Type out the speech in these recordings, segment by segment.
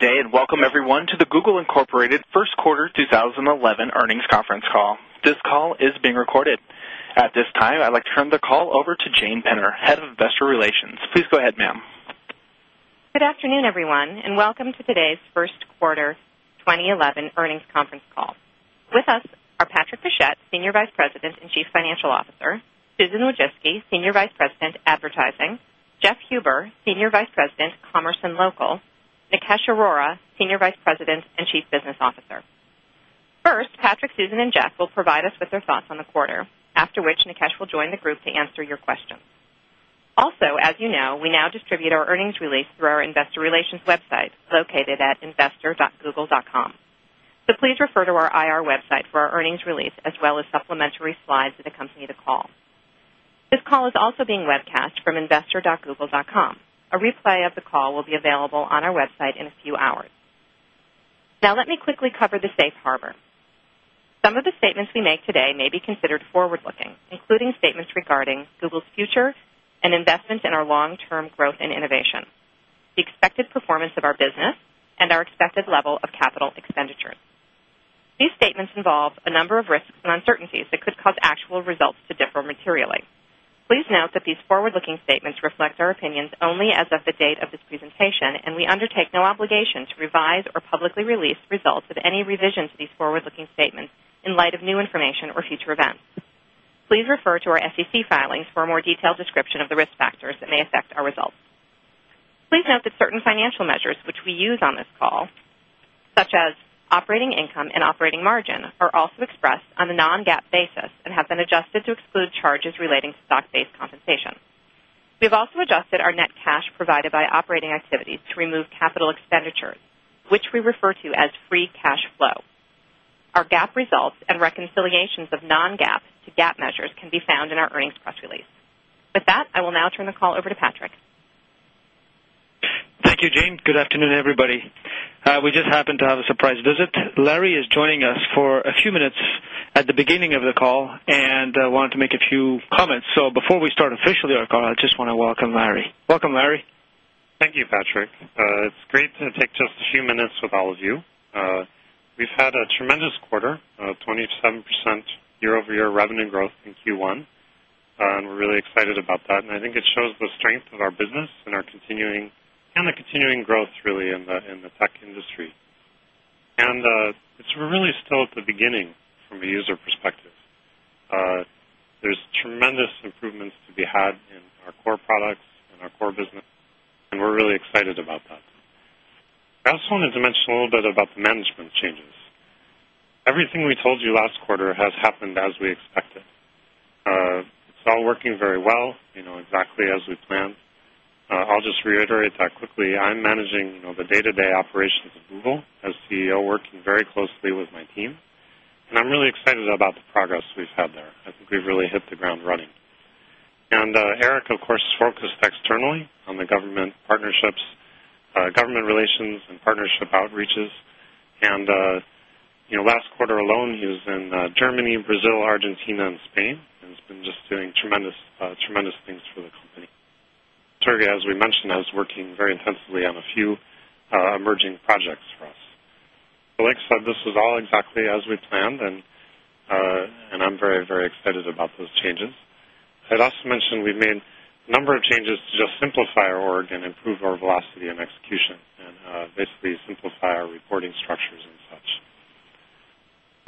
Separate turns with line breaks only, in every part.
Good day and welcome, everyone, to the Google Inc. First Quarter 2011 Earnings Conference Call. This call is being recorded. At this time, I'd like to turn the call over to Jane Penner, Head of Investor Relations. Please go ahead, ma'am.
Good afternoon, everyone, and welcome to today's First Quarter 2011 Earnings Conference Call. With us are Patrick Pichette, Senior Vice President and Chief Financial Officer. Susan Wojcicki, Senior Vice President Advertising. Jeff Huber, Senior Vice President Commerce and Local. Nikesh Arora, Senior Vice President and Chief Business Officer. First, Patrick, Susan, and Jeff will provide us with their thoughts on the quarter, after which Nikesh will join the group to answer your questions. Also, as you know, we now distribute our earnings release through our Investor Relations website located at investor.google.com. So please refer to our IR website for our earnings release, as well as supplementary slides that accompany the call. This call is also being webcast from investor.google.com. A replay of the call will be available on our website in a few hours. Now, let me quickly cover the Safe Harbor. Some of the statements we make today may be considered forward-looking, including statements regarding Google's future and investments in our long-term growth and innovation, the expected performance of our business, and our expected level of capital expenditures. These statements involve a number of risks and uncertainties that could cause actual results to differ materially. Please note that these forward-looking statements reflect our opinions only as of the date of this presentation, and we undertake no obligation to revise or publicly release results of any revisions of these forward-looking statements in light of new information or future events. Please refer to our SEC filings for a more detailed description of the risk factors that may affect our results. Please note that certain financial measures which we use on this call, such as operating income and operating margin, are also expressed on a non-GAAP basis and have been adjusted to exclude charges relating to stock-based compensation. We have also adjusted our net cash provided by operating activities to remove capital expenditures, which we refer to as Free Cash Flow. Our GAAP results and reconciliations of non-GAAP to GAAP measures can be found in our earnings press release. With that, I will now turn the call over to Patrick.
Thank you, Jane. Good afternoon, everybody. We just happen to have a surprise visit. Larry is joining us for a few minutes at the beginning of the call and wanted to make a few comments. Before we start officially our call, I just want to welcome Larry. Welcome, Larry.
Thank you, Patrick. It's great to take just a few minutes with all of you. We've had a tremendous quarter, 27% year-over-year revenue growth in Q1, and we're really excited about that, and I think it shows the strength of our business and our continuing growth, really, in the tech industry, and we're really still at the beginning from a user perspective. There's tremendous improvements to be had in our core products and our core business, and we're really excited about that. I also wanted to mention a little bit about the management changes. Everything we told you last quarter has happened as we expected. It's all working very well, exactly as we planned. I'll just reiterate that quickly. I'm managing the day-to-day operations of Google as CEO, working very closely with my team, and I'm really excited about the progress we've had there. I think we've really hit the ground running. Eric, of course, is focused externally on the government partnerships, government relations, and partnership outreaches. Last quarter alone, he was in Germany, Brazil, Argentina, and Spain, and has been just doing tremendous things for the company. Sergey, as we mentioned, is working very intensively on a few emerging projects for us. Like I said, this was all exactly as we planned, and I'm very, very excited about those changes. I'd also mention we've made a number of changes to just simplify our organization and improve our velocity and execution, and basically simplify our reporting structures and such.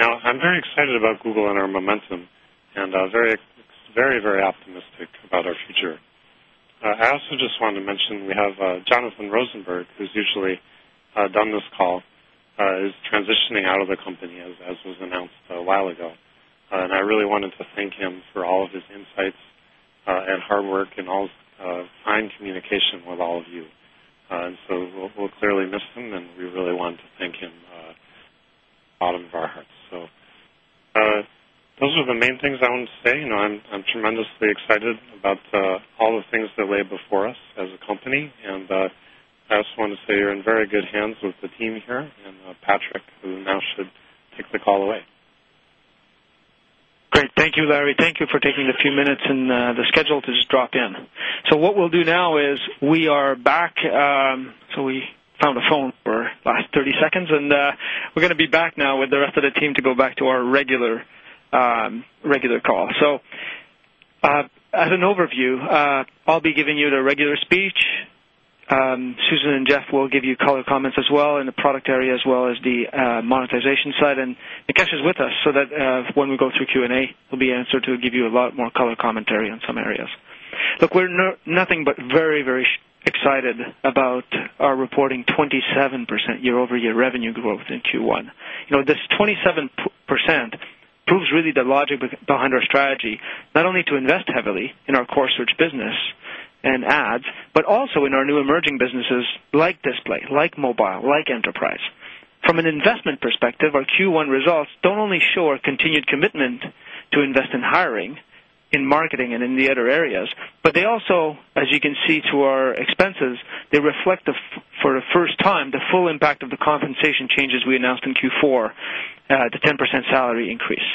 Now, I'm very excited about Google and our momentum and very, very optimistic about our future. I also just wanted to mention we have Jonathan Rosenberg, who's usually done this call, is transitioning out of the company, as was announced a while ago, and I really wanted to thank him for all of his insights and hard work and all his fine communication with all of you, and so we'll clearly miss him, and we really want to thank him from the bottom of our hearts, so those are the main things I wanted to say. I'm tremendously excited about all the things that lay before us as a company, and I also want to say you're in very good hands with the team here and Patrick, who now should take the call away.
Great. Thank you, Larry. Thank you for taking a few minutes in the schedule to just drop in. What we'll do now is we are back. We found a phone for the last 30 seconds, and we're going to be back now with the rest of the team to go back to our regular call. As an overview, I'll be giving you the regular speech. Susan and Jeff will give you color comments as well in the product area, as well as the monetization side. Nikesh is with us so that when we go through Q&A, he'll be answering to give you a lot more color commentary on some areas. Look, we're nothing but very, very excited about our reporting 27% year-over-year revenue growth in Q1. This 27% proves really the logic behind our strategy, not only to invest heavily in our core search business and ads, but also in our new emerging businesses like Display, like Mobile, like Enterprise. From an investment perspective, our Q1 results don't only show our continued commitment to invest in hiring, in marketing, and in the other areas, but they also, as you can see through our expenses, they reflect for the first time the full impact of the compensation changes we announced in Q4, the 10% salary increase.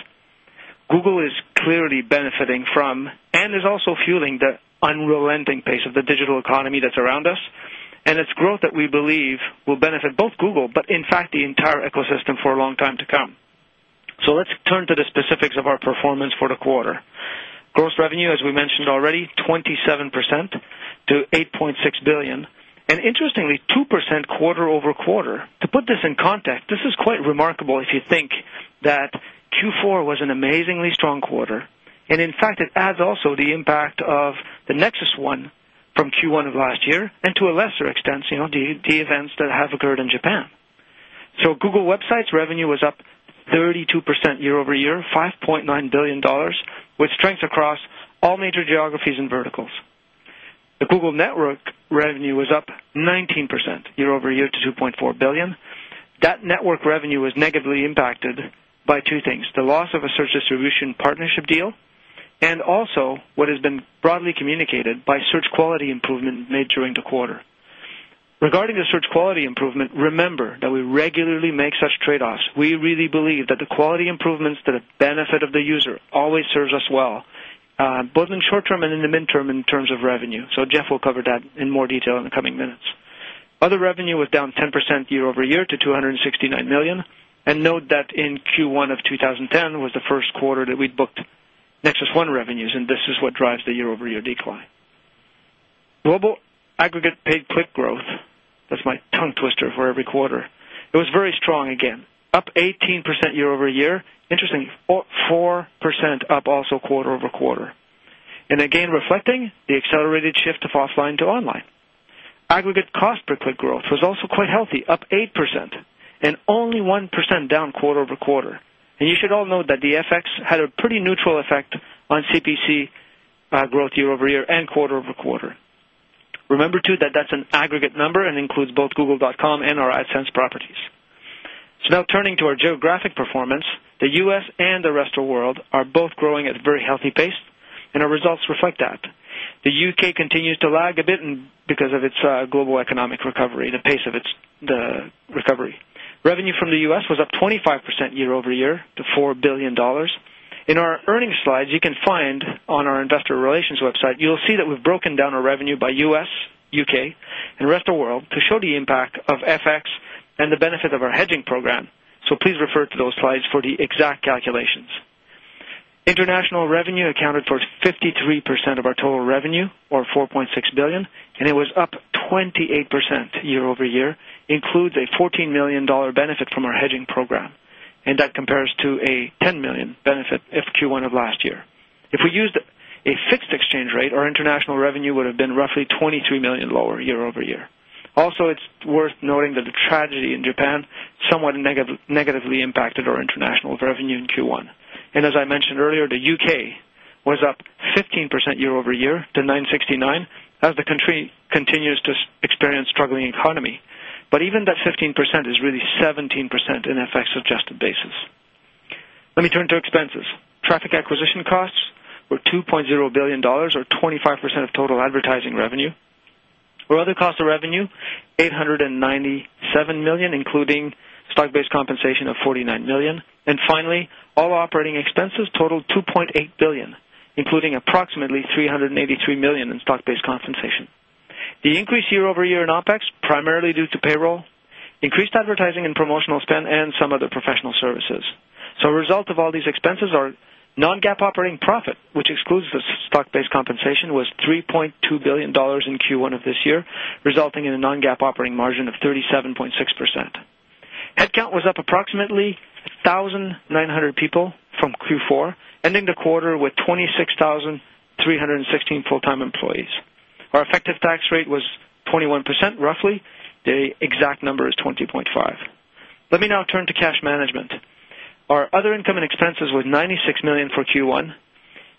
Google is clearly benefiting from and is also fueling the unrelenting pace of the digital economy that's around us and its growth that we believe will benefit both Google but, in fact, the entire ecosystem for a long time to come. Let's turn to the specifics of our performance for the quarter. Gross revenue, as we mentioned already, 27% to $8.6 billion, and interestingly, 2% quarter-over-quarter. To put this in context, this is quite remarkable if you think that Q4 was an amazingly strong quarter, and in fact, it adds also the impact of the Nexus One from Q1 of last year and, to a lesser extent, the events that have occurred in Japan, so Google websites' revenue was up 32% year-over-year, $5.9 billion, with strength across all major geographies and verticals. The Google Network revenue was up 19% year-over-year to $2.4 billion. That network revenue was negatively impacted by two things: the loss of a search distribution partnership deal and also what has been broadly communicated by search quality improvement made during the quarter. Regarding the search quality improvement, remember that we regularly make such trade-offs. We really believe that the quality improvements to the benefit of the user always serve us well, both in the short term and in the midterm in terms of revenue. Jeff will cover that in more detail in the coming minutes. Other revenue was down 10% year-over-year to $269 million. Note that in Q1 of 2010 was the first quarter that we booked Nexus One revenues, and this is what drives the year-over-year decline. Global aggregate paid click growth, that's my tongue twister for every quarter, it was very strong again, up 18% year-over-year. Interestingly, 4% up also quarter-over-quarter. Again, reflecting the accelerated shift of offline to online. Aggregate cost per click growth was also quite healthy, up 8%, and only 1% down quarter-over-quarter. You should all note that the FX had a pretty neutral effect on CPC growth year-over-year and quarter-over-quarter. Remember, too, that that's an aggregate number and includes both Google.com and our AdSense properties. Now turning to our geographic performance, the U.S. and the rest of the world are both growing at a very healthy pace, and our results reflect that. The U.K. continues to lag a bit because of its global economic recovery, the pace of its recovery. Revenue from the U.S. was up 25% year-over-year to $4 billion. In our earnings slides, you can find on our Investor Relations website, you'll see that we've broken down our revenue by U.S., U.K., and rest of the world to show the impact of FX and the benefit of our hedging program. Please refer to those slides for the exact calculations. International revenue accounted for 53% of our total revenue, or $4.6 billion, and it was up 28% year-over-year, including a $14 million benefit from our hedging program. That compares to a $10 million benefit in Q1 of last year. If we used a fixed exchange rate, our international revenue would have been roughly $23 million lower year-over-year. Also, it's worth noting that the tragedy in Japan somewhat negatively impacted our international revenue in Q1. As I mentioned earlier, the U.K. was up 15% year-over-year to $969 million, as the country continues to experience a struggling economy, but even that 15% is really 17% on an FX-adjusted basis. Let me turn to expenses. Traffic acquisition costs were $2.0 billion, or 25% of total advertising revenue. Our other cost of revenue was $897 million, including stock-based compensation of $49 million. Finally, all operating expenses totaled $2.8 billion, including approximately $383 million in stock-based compensation. The increase year-over-year in OpEx, primarily due to payroll, increased advertising and promotional spend, and some other professional services. As a result of all these expenses, our non-GAAP operating profit, which excludes the stock-based compensation, was $3.2 billion in Q1 of this year, resulting in a non-GAAP operating margin of 37.6%. Headcount was up approximately 1,900 people from Q4, ending the quarter with 26,316 full-time employees. Our effective tax rate was 21%, roughly. The exact number is 20.5%. Let me now turn to cash management. Our other income and expenses were $96 million for Q1.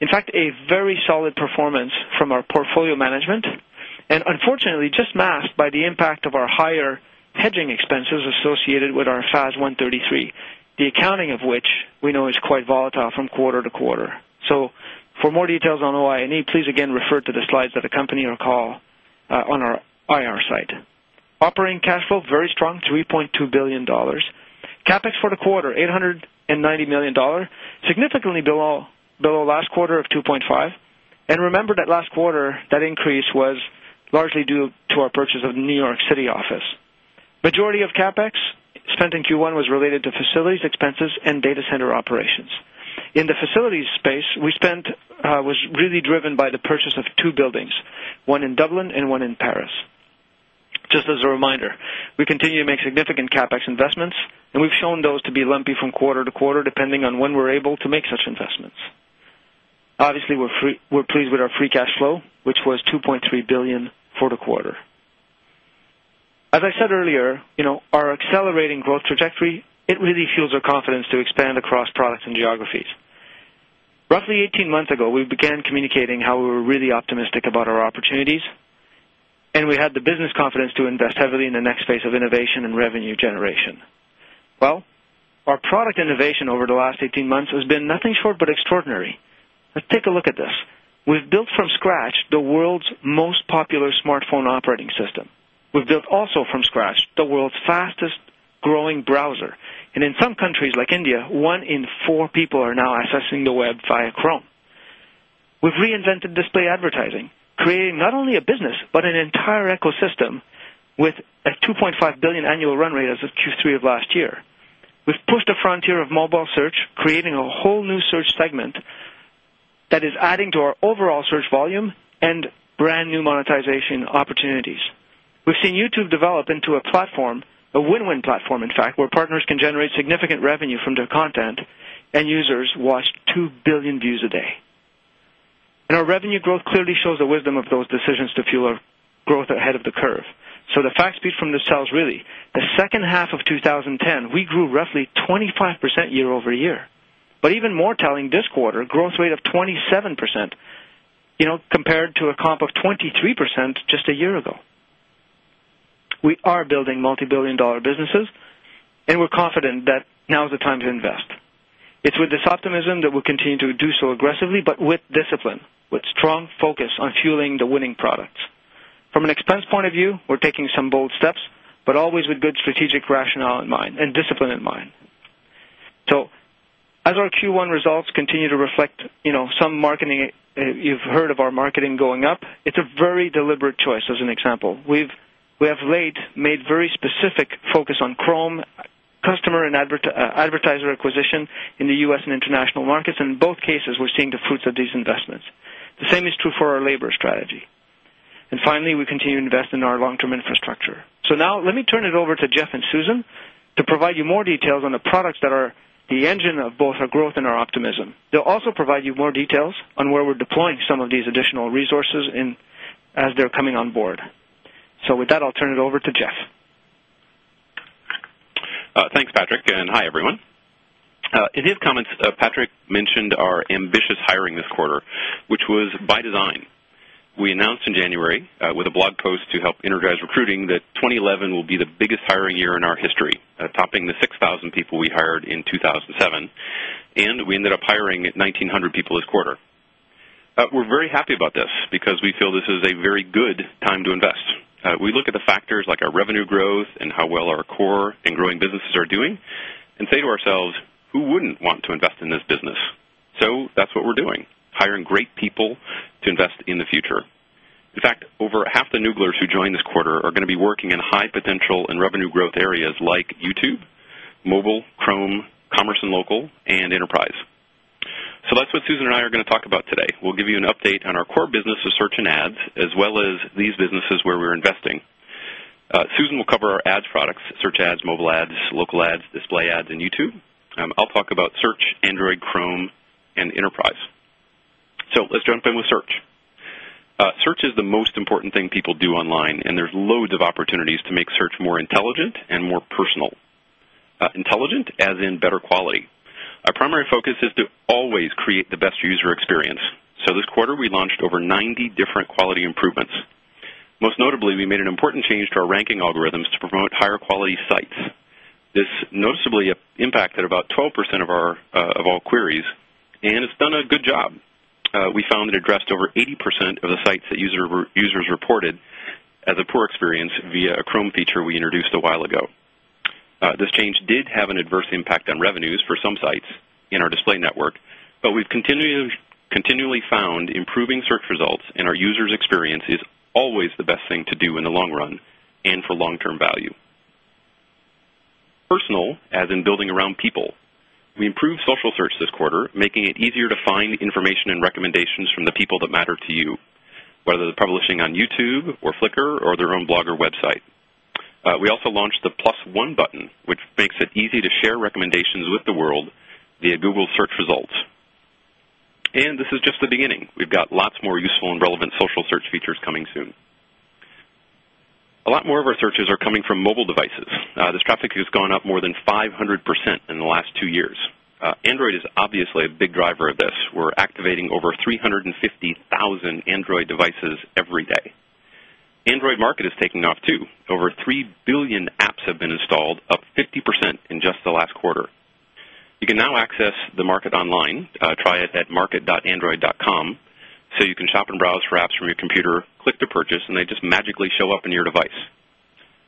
In fact, a very solid performance from our portfolio management and, unfortunately, just masked by the impact of our higher hedging expenses associated with our FAS 133, the accounting of which we know is quite volatile from quarter to quarter. For more details on OI&E, please again refer to the slides that accompany our call on our IR site. Operating cash flow, very strong, $3.2 billion. CapEx for the quarter, $890 million, significantly below last quarter of $2.5 billion. Remember that last quarter, that increase was largely due to our purchase of the New York City office. The majority of CapEx spent in Q1 was related to facilities, expenses, and data center operations. In the facilities space, our spend was really driven by the purchase of two buildings, one in Dublin and one in Paris. Just as a reminder, we continue to make significant CapEx investments, and we've shown those to be lumpy from quarter to quarter, depending on when we're able to make such investments. Obviously, we're pleased with our Free Cash Flow, which was $2.3 billion for the quarter. As I said earlier, our accelerating growth trajectory, it really fuels our confidence to expand across products and geographies. Roughly 18 months ago, we began communicating how we were really optimistic about our opportunities, and we had the business confidence to invest heavily in the next phase of innovation and revenue generation. Well, our product innovation over the last 18 months has been nothing short of extraordinary. Take a look at this. We've built from scratch the world's most popular smartphone operating system. We've built also from scratch the world's fastest-growing browser. In some countries, like India, one in four people are now accessing the web via Chrome. We've reinvented display advertising, creating not only a business but an entire ecosystem with a $2.5 billion annual run rate as of Q3 of last year. We've pushed the frontier of mobile search, creating a whole new search segment that is adding to our overall search volume and brand new monetization opportunities. We've seen YouTube develop into a platform, a win-win platform, in fact, where partners can generate significant revenue from their content, and users watch 2 billion views a day. Our revenue growth clearly shows the wisdom of those decisions to fuel our growth ahead of the curve. The facts speak for themselves, really. The second half of 2010, we grew roughly 25% year-over-year, but even more telling, this quarter, a growth rate of 27% compared to a comp of 23% just a year ago. We are building multi-billion-dollar businesses, and we're confident that now is the time to invest. It's with this optimism that we'll continue to do so aggressively but with discipline, with strong focus on fueling the winning products. From an expense point of view, we're taking some bold steps, but always with good strategic rationale in mind and discipline in mind. As our Q1 results continue to reflect some marketing—you've heard of our marketing going up—it's a very deliberate choice, as an example. We have made very specific focus on Chrome, customer and advertiser acquisition in the U.S. and international markets, and in both cases, we're seeing the fruits of these investments. The same is true for our labor strategy, and finally, we continue to invest in our long-term infrastructure, so now let me turn it over to Jeff and Susan to provide you more details on the products that are the engine of both our growth and our optimism. They'll also provide you more details on where we're deploying some of these additional resources as they're coming on board. With that, I'll turn it over to Jeff.
Thanks, Patrick. Hi, everyone. In his comments, Patrick mentioned our ambitious hiring this quarter, which was by design. We announced in January with a blog post to help energize recruiting that 2011 will be the biggest hiring year in our history, topping the 6,000 people we hired in 2007. We ended up hiring 1,900 people this quarter. We're very happy about this because we feel this is a very good time to invest. We look at the factors like our revenue growth and how well our core and growing businesses are doing and say to ourselves, "Who wouldn't want to invest in this business?" Tthat's what we're doing, hiring great people to invest in the future. In fact, over half the Nooglers who joined this quarter are going to be working in high potential and revenue growth areas like YouTube, Mobile, Chrome, Commerce and Local, and Enterprise. That's what Susan and I are going to talk about today. We'll give you an update on our core business of search and ads, as well as these businesses where we're investing. Susan will cover our ads products: search ads, mobile ads, local ads, display ads, and YouTube. I'll talk about search, Android, Chrome, and Enterprise. Let's jump in with search. Search is the most important thing people do online, and there's loads of opportunities to make search more intelligent and more personal. Intelligent as in better quality. Our primary focus is to always create the best user experience. This quarter, we launched over 90 different quality improvements. Most notably, we made an important change to our ranking algorithms to promote higher quality sites. This noticeably impacted about 12% of all queries, and it's done a good job. We found it addressed over 80% of the sites that users reported as a poor experience via a Chrome feature we introduced a while ago. This change did have an adverse impact on revenues for some sites in our display network, but we've continually found improving search results and our users' experience is always the best thing to do in the long run and for long-term value. Personal, as in building around people. We improved social search this quarter, making it easier to find information and recommendations from the people that matter to you, whether they're publishing on YouTube or Flickr or their own blog or website. We also launched the Plus One button, which makes it easy to share recommendations with the world via Google search results. This is just the beginning. We've got lots more useful and relevant social search features coming soon. A lot more of our searches are coming from mobile devices. This traffic has gone up more than 500% in the last two years. Android is obviously a big driver of this. We're activating over 350,000 Android devices every day. Android Market is taking off, too. Over 3 billion apps have been installed, up 50% in just the last quarter. You can now access the market online. Try it at market.android.com so you can shop and browse for apps from your computer, click to purchase, and they just magically show up on your device.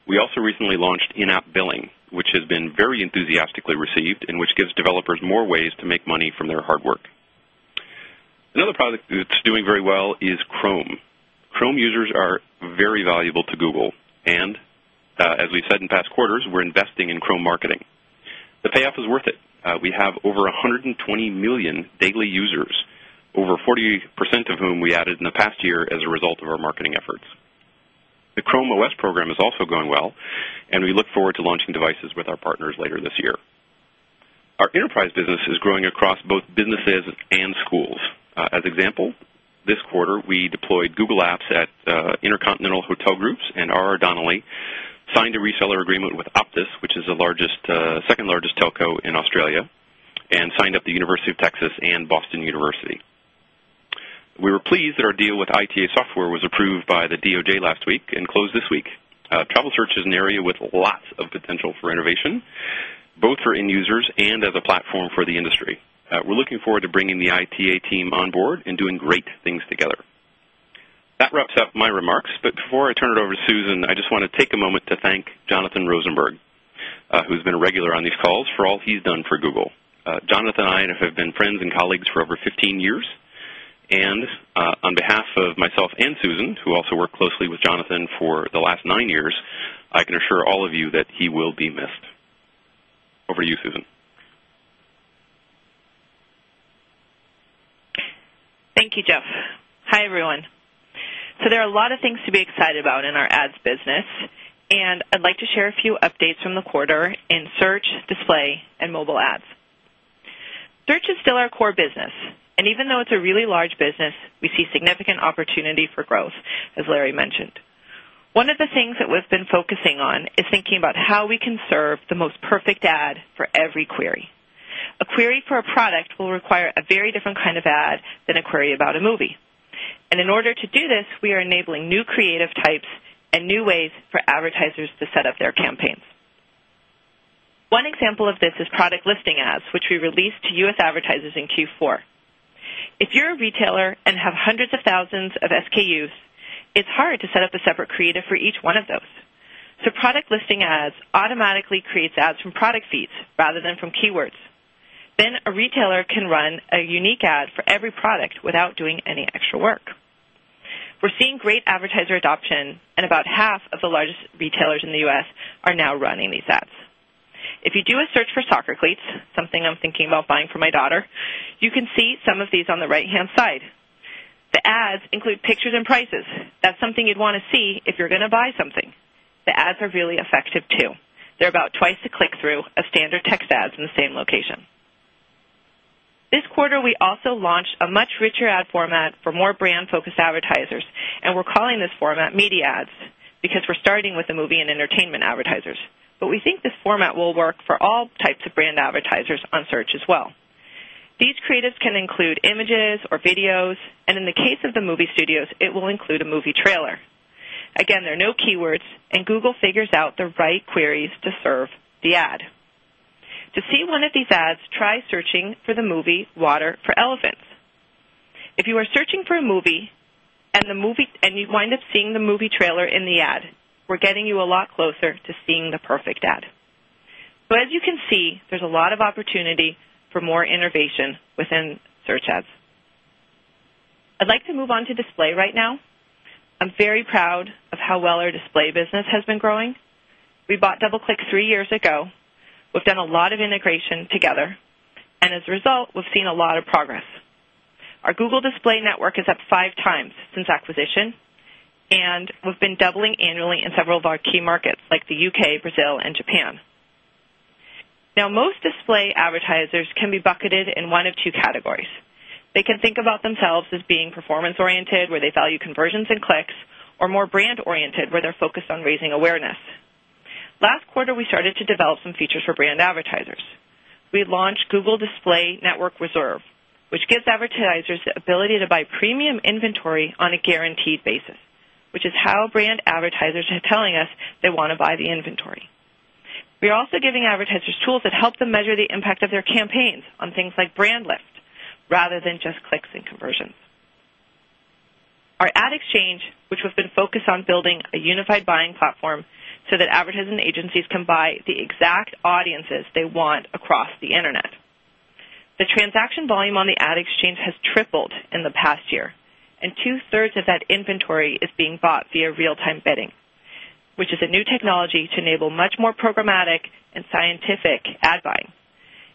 We also recently launched in-app billing, which has been very enthusiastically received and which gives developers more ways to make money from their hard work. Another product that's doing very well is Chrome. Chrome users are very valuable to Google. As we said in past quarters, we're investing in Chrome marketing. The payoff is worth it. We have over 120 million daily users, over 40% of whom we added in the past year as a result of our marketing efforts. The Chrome OS program is also going well, and we look forward to launching devices with our partners later this year. Our enterprise business is growing across both businesses and schools. As an example, this quarter, we deployed Google Apps at InterContinental Hotels Group and R.R. Donnelley signed a reseller agreement with Optus, which is the second largest telco in Australia, and signed up the University of Texas and Boston University. We were pleased that our deal with ITA Software was approved by the DOJ last week and closed this week. Travel search is an area with lots of potential for innovation, both for end users and as a platform for the industry. We're looking forward to bringing the ITA team on board and doing great things together. That wraps up my remarks. But before I turn it over to Susan, I just want to take a moment to thank Jonathan Rosenberg, who's been a regular on these calls, for all he's done for Google. Jonathan and I have been friends and colleagues for over 15 years. On behalf of myself and Susan, who also worked closely with Jonathan for the last nine years, I can assure all of you that he will be missed. Over to you, Susan.
Thank you, Jeff. Hi, everyone, so there are a lot of things to be excited about in our ads business, and I'd like to share a few updates from the quarter in search, display, and mobile ads. Search is still our core business, and even though it's a really large business, we see significant opportunity for growth, as Larry mentioned. One of the things that we've been focusing on is thinking about how we can serve the most perfect ad for every query. A query for a product will require a very different kind of ad than a query about a movie, and in order to do this, we are enabling new creative types and new ways for advertisers to set up their campaigns. One example of this is Product Listing Ads, which we released to U.S. advertisers in Q4. If you're a retailer and have hundreds of thousands of SKUs, it's hard to set up a separate creative for each one of those. Product Listing Ads automatically create ads from product feeds rather than from keywords. Then a retailer can run a unique ad for every product without doing any extra work. We're seeing great advertiser adoption, and about half of the largest retailers in the U.S. are now running these ads. If you do a search for soccer cleats, something I'm thinking about buying for my daughter, you can see some of these on the right-hand side. The ads include pictures and prices. That's something you'd want to see if you're going to buy something. The ads are really effective, too. They're about twice the click-through of standard text ads in the same location. This quarter, we also launched a much richer ad format for more brand-focused advertisers, and we're calling this format Media Ads because we're starting with the movie and entertainment advertisers, but we think this format will work for all types of brand advertisers on search as well. These creatives can include images or videos, and in the case of the movie studios, it will include a movie trailer. Again, there are no keywords, and Google figures out the right queries to serve the ad. To see one of these ads, try searching for the movie Water for Elephants. If you are searching for a movie and you wind up seeing the movie trailer in the ad, we're getting you a lot closer to seeing the perfect ad, so as you can see, there's a lot of opportunity for more innovation within search ads. I'd like to move on to display right now. I'm very proud of how well our display business has been growing. We bought DoubleClick three years ago. We've done a lot of integration together. As a result, we've seen a lot of progress. Our Google Display Network is up five times since acquisition. We've been doubling annually in several of our key markets, like the U.K., Brazil, and Japan. Now, most display advertisers can be bucketed in one of two categories. They can think about themselves as being performance-oriented, where they value conversions and clicks, or more brand-oriented, where they're focused on raising awareness. Last quarter, we started to develop some features for brand advertisers. We launched Google Display Network Reserve, which gives advertisers the ability to buy premium inventory on a guaranteed basis, which is how brand advertisers are telling us they want to buy the inventory. We are also giving advertisers tools that help them measure the impact of their campaigns on things like brand lift, rather than just clicks and conversions. Our Ad Exchange, which we've been focused on building a unified buying platform so that advertising agencies can buy the exact audiences they want across the internet. The transaction volume on the Ad Exchange has tripled in the past year, and two-thirds of that inventory is being bought via real-time bidding, which is a new technology to enable much more programmatic and scientific ad buying.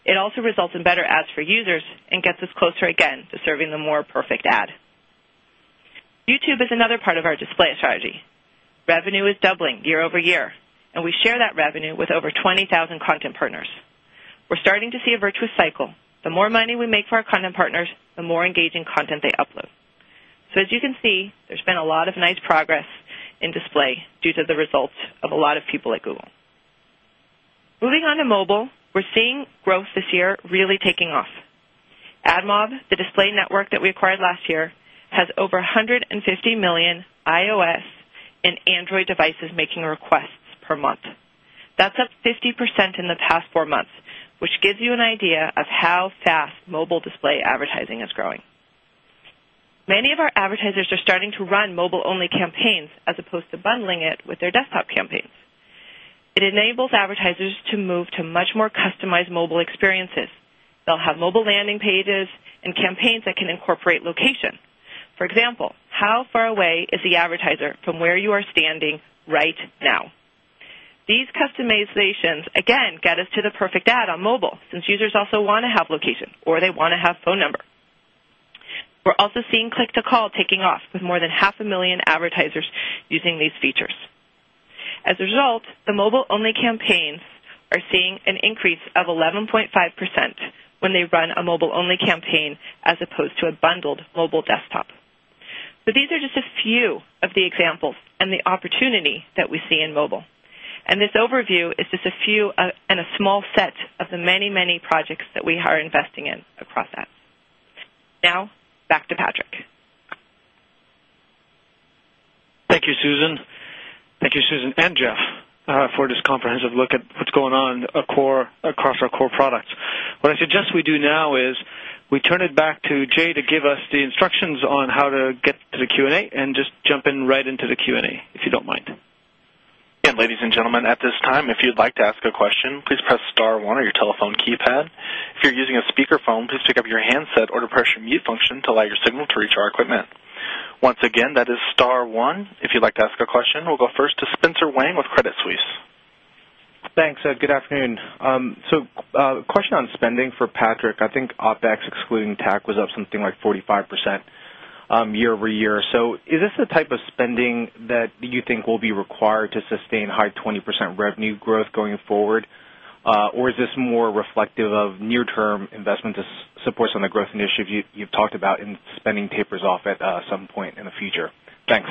It also results in better ads for users and gets us closer again to serving the more perfect ad. YouTube is another part of our display strategy. Revenue is doubling year-over-year, and we share that revenue with over 20,000 content partners. We're starting to see a virtuous cycle. The more money we make for our content partners, the more engaging content they upload. As you can see, there's been a lot of nice progress in display due to the results of a lot of people at Google. Moving on to mobile, we're seeing growth this year really taking off. AdMob, the display network that we acquired last year, has over 150 million iOS and Android devices making requests per month. That's up 50% in the past four months, which gives you an idea of how fast mobile display advertising is growing. Many of our advertisers are starting to run mobile-only campaigns as opposed to bundling it with their desktop campaigns. It enables advertisers to move to much more customized mobile experiences. They'll have mobile landing pages and campaigns that can incorporate location. For example, how far away is the advertiser from where you are standing right now? These customizations, again, get us to the perfect ad on mobile since users also want to have location or they want to have phone number. We're also seeing click-to-call taking off with more than 500,000 advertisers using these features. As a result, the mobile-only campaigns are seeing an increase of 11.5% when they run a mobile-only campaign as opposed to a bundled mobile desktop. These are just a few of the examples and the opportunity that we see in mobile, and this overview is just a few and a small set of the many, many projects that we are investing in across that. Now, back to Patrick.
Thank you, Susan. Thank you, Susan and Jeff, for this comprehensive look at what's going on across our core products. What I suggest we do now is we turn it back to Jane to give us the instructions on how to get to the Q&A and just jump in right into the Q&A, if you don't mind.
Again, ladies and gentlemen, at this time, if you'd like to ask a question, please press Star 1 on your telephone keypad. If you're using a speakerphone, please pick up your handset or depress your mute function to allow your signal to reach our equipment. Once again, that is Star 1. If you'd like to ask a question, we'll go first to Spencer Wang with Credit Suisse.
Thanks. Good afternoon. A question on spending for Patrick. I think OpEx, excluding tax, was up something like 45% year-over-year. Is this the type of spending that you think will be required to sustain high 20% revenue growth going forward? Or is this more reflective of near-term investment to support some of the growth initiatives you've talked about and spending tapers off at some point in the future? Thanks.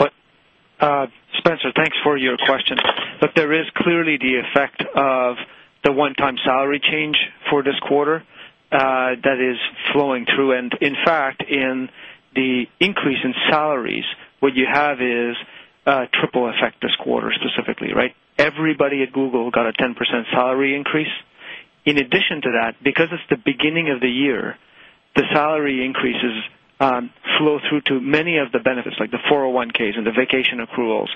Spencer, thanks for your question. But there is clearly the effect of the one-time salary change for this quarter that is flowing through. In fact, in the increase in salaries, what you have is a triple effect this quarter specifically, right? Everybody at Google got a 10% salary increase. In addition to that, because it's the beginning of the year, the salary increases flow through to many of the benefits, like the 401(k)s and the vacation accruals.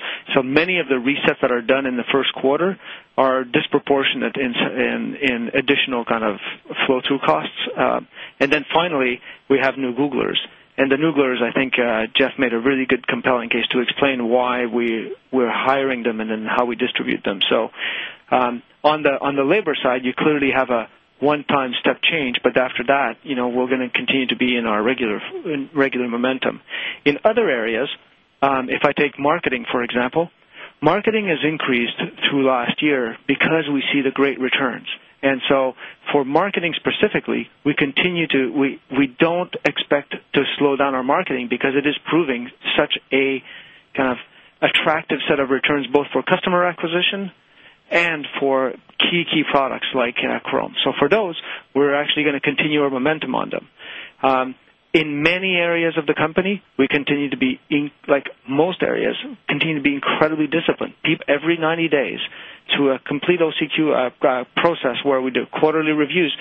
Many of the resets that are done in the first quarter are disproportionate in additional kind of flow-through costs. Then finally, we have new Googlers. The new Googlers, I think Jeff made a really good compelling case to explain why we're hiring them and then how we distribute them. On the labor side, you clearly have a one-time step change. But after that, we're going to continue to be in our regular momentum. In other areas, if I take marketing, for example, marketing has increased through last year because we see the great returns. For marketing specifically, we don't expect to slow down our marketing because it is proving such a kind of attractive set of returns, both for customer acquisition and for key, key products like Chrome. For those, we're actually going to continue our momentum on them. In many areas of the company, we continue to be, like most areas, continue to be incredibly disciplined. Every 90 days to a complete OCQ process where we do quarterly reviews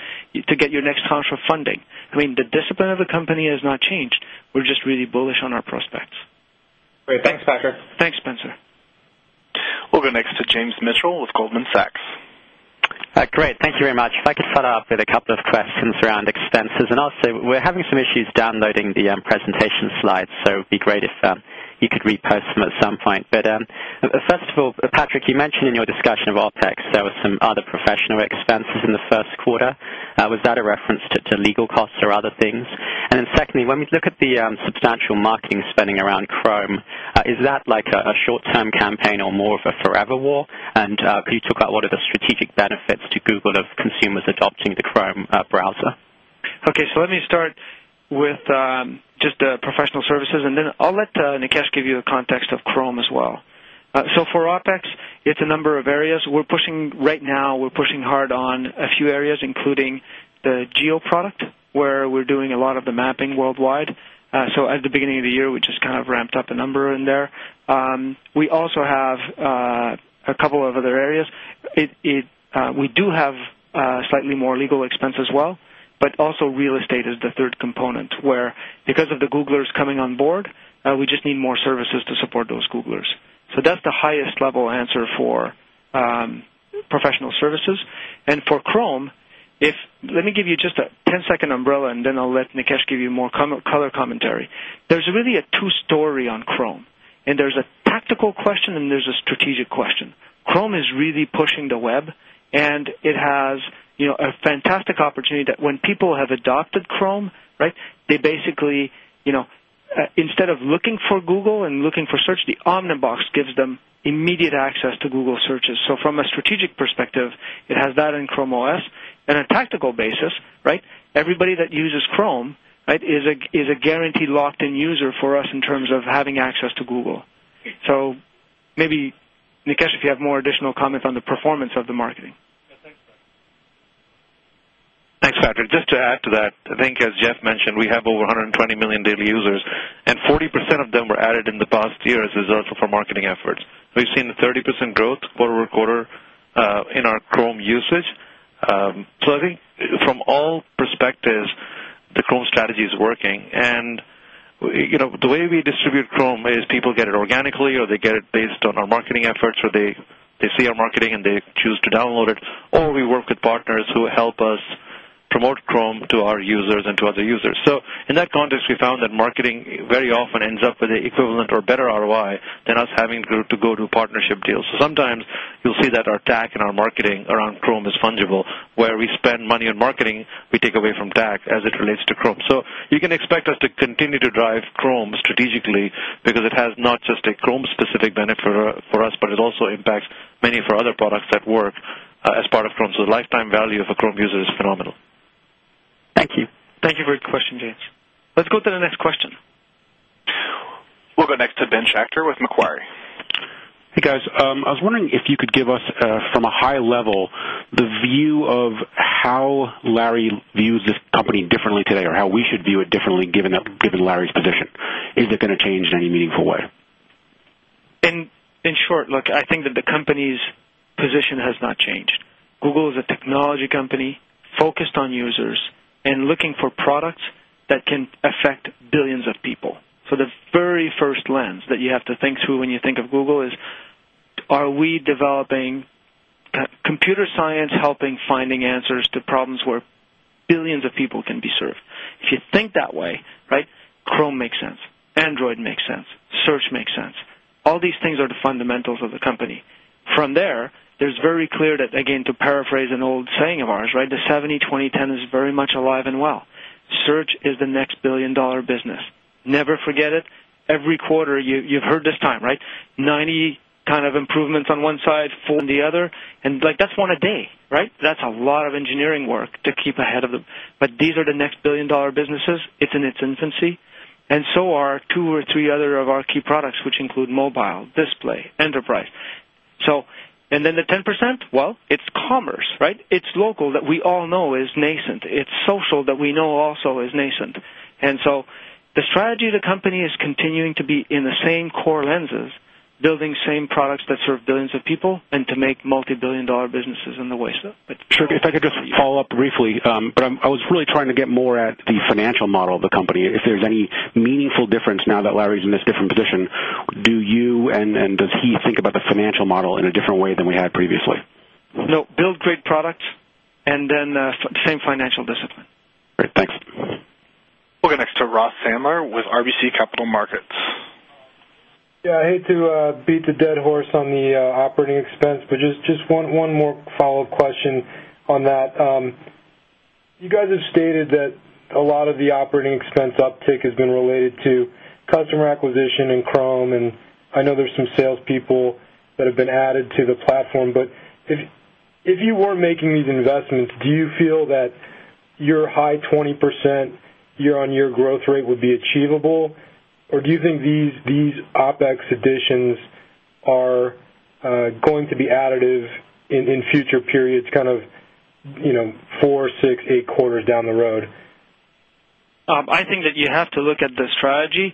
to get your next round of funding. I mean, the discipline of the company has not changed. We're just really bullish on our prospects.
Great. Thanks, Patrick.
Thanks, Spencer.
We'll go next to James Mitchell with Goldman Sachs.
Great. Thank you very much. If I could follow up with a couple of questions around expenses. Also, we're having some issues downloading the presentation slides. It would be great if you could repost them at some point. But first of all, Patrick, you mentioned in your discussion of OpEx, there were some other professional expenses in the first quarter. Was that a reference to legal costs or other things? Then secondly, when we look at the substantial marketing spending around Chrome, is that like a short-term campaign or more of a forever war? Could you talk about what are the strategic benefits to Google of consumers adopting the Chrome browser?
Okay. Let me start with just the professional services. Then I'll let Nikesh give you a context of Chrome as well. For OpEx, it's a number of areas. Right now, we're pushing hard on a few areas, including the geo product, where we're doing a lot of the mapping worldwide. At the beginning of the year, we just kind of ramped up a number in there. We also have a couple of other areas. We do have slightly more legal expense as well. But also, real estate is the third component, where because of the Googlers coming on board, we just need more services to support those Googlers. That's the highest-level answer for professional services. For Chrome, let me give you just a 10-second umbrella, and then I'll let Nikesh give you more color commentary. There's really a two-story on Chrome. There's a tactical question, and there's a strategic question. Chrome is really pushing the web. It has a fantastic opportunity that when people have adopted Chrome, they basically, instead of looking for Google and looking for search, the Omnibox gives them immediate access to Google searches. From a strategic perspective, it has that in Chrome OS. On a tactical basis, everybody that uses Chrome is a guaranteed locked-in user for us in terms of having access to Google. Maybe, Nikesh, if you have more additional comments on the performance of the marketing.
Thanks, Patrick.
Just to add to that, I think, as Jeff mentioned, we have over 120 million daily users, and 40% of them were added in the past year as a result of our marketing efforts. We've seen a 30% growth quarter-over-quarter in our Chrome usage. I think from all perspectives, the Chrome strategy is working, and the way we distribute Chrome is people get it organically, or they get it based on our marketing efforts, or they see our marketing and they choose to download it, or we work with partners who help us promote Chrome to our users and to other users. In that context, we found that marketing very often ends up with an equivalent or better ROI than us having to go to partnership deals. Sometimes, you'll see that our tech and our marketing around Chrome is fungible, where we spend money on marketing, we take away from tech as it relates to Chrome. You can expect us to continue to drive Chrome strategically because it has not just a Chrome-specific benefit for us, but it also impacts many of our other products that work as part of Chrome. So the lifetime value of a Chrome user is phenomenal.
Thank you.
Thank you for your question, James. Let's go to the next question.
We'll go next to Ben Schachter with Macquarie.
Hey, guys. I was wondering if you could give us, from a high level, the view of how Larry views this company differently today or how we should view it differently given Larry's position. Is it going to change in any meaningful way?
In short, look, I think that the company's position has not changed. Google is a technology company focused on users and looking for products that can affect billions of people. So the very first lens that you have to think through when you think of Google is, are we developing computer science helping find answers to problems where billions of people can be served? If you think that way, Chrome makes sense. Android makes sense. Search makes sense. All these things are the fundamentals of the company. From there, it's very clear that, again, to paraphrase an old saying of ours, the 70/20/10 is very much alive and well. Search is the next billion-dollar business. Never forget it. Every quarter, you've heard this time, 90 kind of improvements on one side, 40 on the other. That's one a day. That's a lot of engineering work to keep ahead of them. But these are the next billion-dollar businesses. It's in its infancy. Are two or three other of our key products, which include mobile, display, enterprise. Then the 10%? Well, it's commerce. It's local that we all know is nascent. It's social that we know also is nascent. The strategy of the company is continuing to be in the same core lenses, building same products that serve billions of people and to make multi-billion-dollar businesses in the wasteland.
Sure. If I could just follow up briefly. But I was really trying to get more at the financial model of the company. If there's any meaningful difference now that Larry's in this different position, do you and does he think about the financial model in a different way than we had previously?
No. Build great products, and then same financial discipline.
Great. Thanks.
We'll go next to Ross Sandler with RBC Capital Markets.
Yeah. I hate to beat the dead horse on the operating expense, but just one more follow-up question on that. You guys have stated that a lot of the operating expense uptick has been related to customer acquisition and Chrome. I know there's some salespeople that have been added to the platform. But if you were making these investments, do you feel that your high 20% year-on-year growth rate would be achievable? Or do you think these OPEX additions are going to be additive in future periods, kind of four, six, eight quarters down the road?
I think that you have to look at the strategy.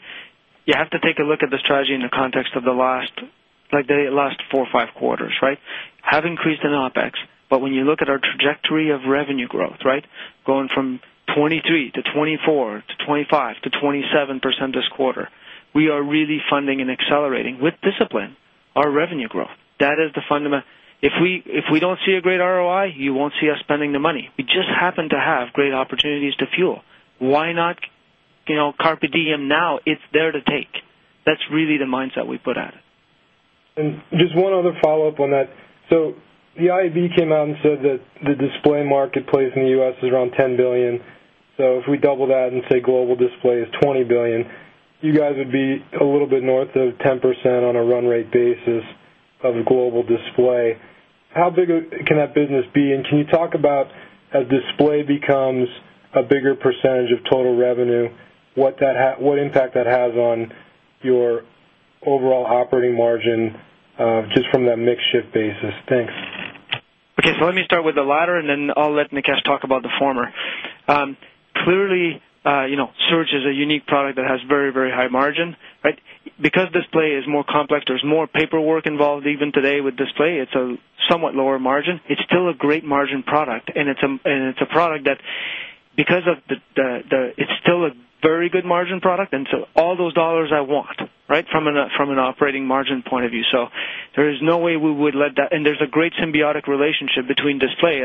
You have to take a look at the strategy in the context of the last four or five quarters. Have increased in OpEx. But when you look at our trajectory of revenue growth, going from 23% to 24% to 25% to 27% this quarter, we are really funding and accelerating with discipline our revenue growth. That is the fundamental. If we don't see a great ROI, you won't see us spending the money. We just happen to have great opportunities to fuel. Why not carpe diem now? It's there to take. That's really the mindset we put at it.
Just one other follow-up on that. The IAB came out and said that the display marketplace in the U.S. is around $10 billion. If we double that and say global display is $20 billion, you guys would be a little bit north of 10% on a run-rate basis of global display. How big can that business be? Can you talk about, as display becomes a bigger percentage of total revenue, what impact that has on your overall operating margin just from that mixed-shift basis? Thanks.
Okay. Let me start with the latter, and then I'll let Nikesh talk about the former. Clearly, search is a unique product that has very, very high margin. Because display is more complex, there's more paperwork involved even today with display. It's a somewhat lower margin. It's still a great margin product, and it's a product that, because of the, it's still a very good margin product, and so all those dollars I want from an operating margin point of view, so there is no way we would let that, and there's a great symbiotic relationship between display.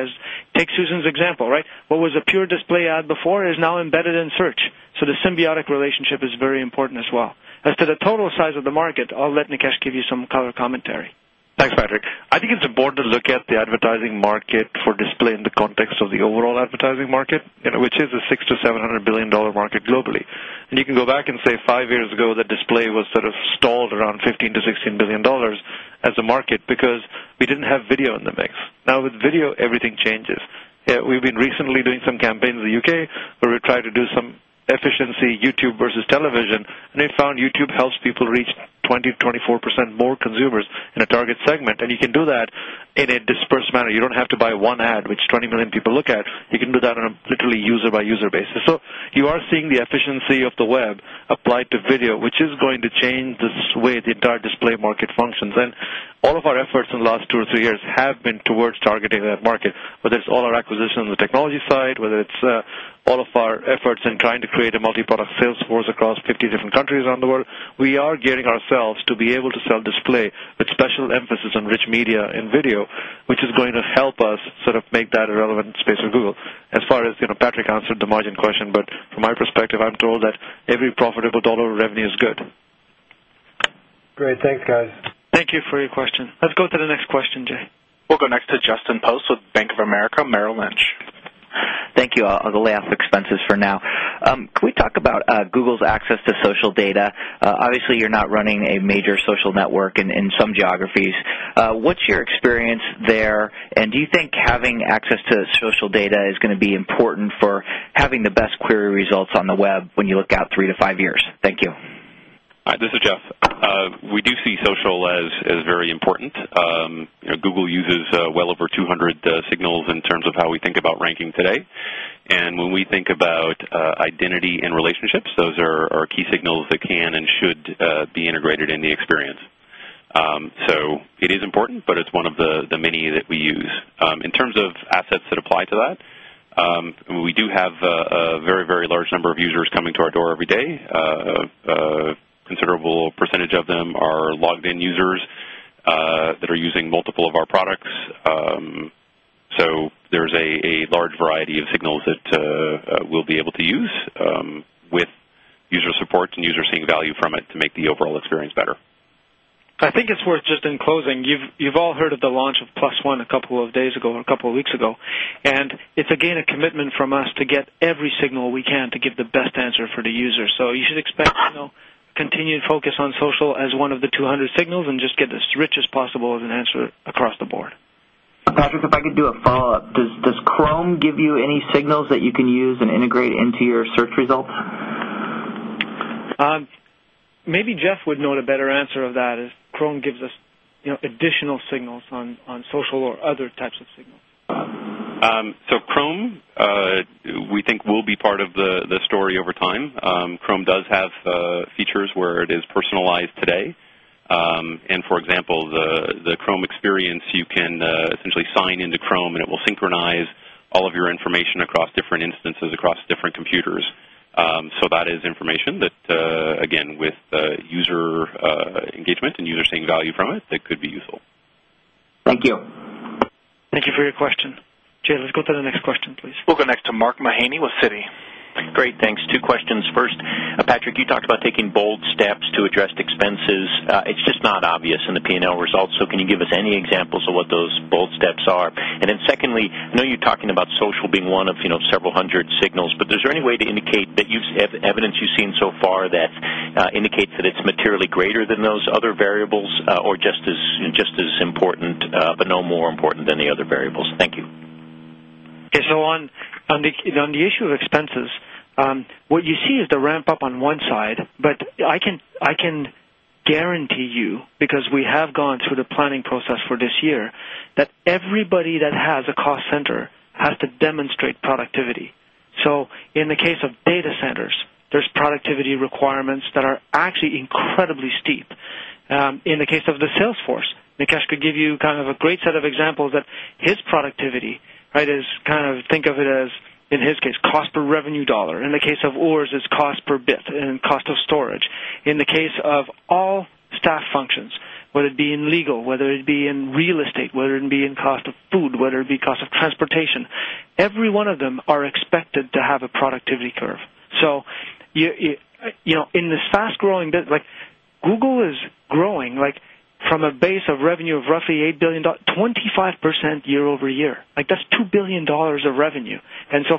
Take Susan's example. What was a pure display ad before is now embedded in search, so the symbiotic relationship is very important as well. As to the total size of the market, I'll let Nikesh give you some color commentary.
Thanks, Patrick. I think it's important to look at the advertising market for display in the context of the overall advertising market, which is a $600-$700 billion-dollar market globally. You can go back and say five years ago, the display was sort of stalled around $15-$16 billion dollars as a market because we didn't have video in the mix. Now, with video, everything changes. We've been recently doing some campaigns in the UK where we tried to do some efficiency YouTube versus television. We found YouTube helps people reach 20%-24% more consumers in a target segment. You can do that in a dispersed manner. You don't have to buy one ad, which 20 million people look at. You can do that on a literally user-by-user basis. You are seeing the efficiency of the web applied to video, which is going to change the way the entire display market functions. All of our efforts in the last two or three years have been towards targeting that market, whether it's all our acquisition on the technology side, whether it's all of our efforts in trying to create a multi-product sales force across 50 different countries around the world. We are gearing ourselves to be able to sell display with special emphasis on rich media and video, which is going to help us sort of make that a relevant space for Google. As far as Patrick answered the margin question, but from my perspective, I'm told that every profitable dollar of revenue is good.
Great. Thanks, guys.
Thank you for your question. Let's go to the next question, Jane.
We'll go next to Justin Post with Bank of America Merrill Lynch.
Thank you. I'll go last with expenses for now. Can we talk about Google's access to social data? Obviously, you're not running a major social network in some geographies. What's your experience there? Do you think having access to social data is going to be important for having the best query results on the web when you look out three to five years? Thank you.
Hi. This is Jeff. We do see social as very important. Google uses well over 200 signals in terms of how we think about ranking today, and when we think about identity and relationships, those are key signals that can and should be integrated in the experience, so it is important, but it's one of the many that we use. In terms of assets that apply to that, we do have a very, very large number of users coming to our door every day. A considerable percentage of them are logged-in users that are using multiple of our products, so there's a large variety of signals that we'll be able to use with user support and users seeing value from it to make the overall experience better.
I think it's worth just in closing. You've all heard of the launch of +1 a couple of days ago or a couple of weeks ago, and it's again a commitment from us to get every signal we can to give the best answer for the user, so you should expect continued focus on social as one of the 200 signals and just get as rich as possible as an answer across the board.
Patrick, if I could do a follow-up, does Chrome give you any signals that you can use and integrate into your search results?
Maybe Jeff would note a better answer of that is Chrome gives us additional signals on social or other types of signals.
Chrome, we think, will be part of the story over time. Chrome does have features where it is personalized today. For example, the Chrome experience, you can essentially sign into Chrome, and it will synchronize all of your information across different instances across different computers. That is information that, again, with user engagement and users seeing value from it, that could be useful.
Thank you.
Thank you for your question. Jane, let's go to the next question, please.
We'll go next to Mark Mahaney with Citi.
Great. Thanks. Two questions. First, Patrick, you talked about taking bold steps to address expenses. It's just not obvious in the P&L results. Can you give us any examples of what those bold steps are? Then secondly, I know you're talking about social being one of several hundred signals, but is there any way to indicate that the evidence you've seen so far indicates that it's materially greater than those other variables or just as important but no more important than the other variables? Thank you.
Okay. On the issue of expenses, what you see is the ramp-up on one side. But I can guarantee you, because we have gone through the planning process for this year, that everybody that has a cost center has to demonstrate productivity. In the case of data centers, there's productivity requirements that are actually incredibly steep. In the case of the sales force, Nikesh could give you kind of a great set of examples that his productivity is kind of think of it as, in his case, cost per revenue dollar. In the case of ops, it's cost per bit and cost of storage. In the case of all staff functions, whether it be in legal, whether it be in real estate, whether it be in cost of food, whether it be in cost of transportation, every one of them are expected to have a productivity curve. In this fast-growing business, Google is growing from a base of revenue of roughly $8 billion, 25% year-over-year. That's $2 billion of revenue.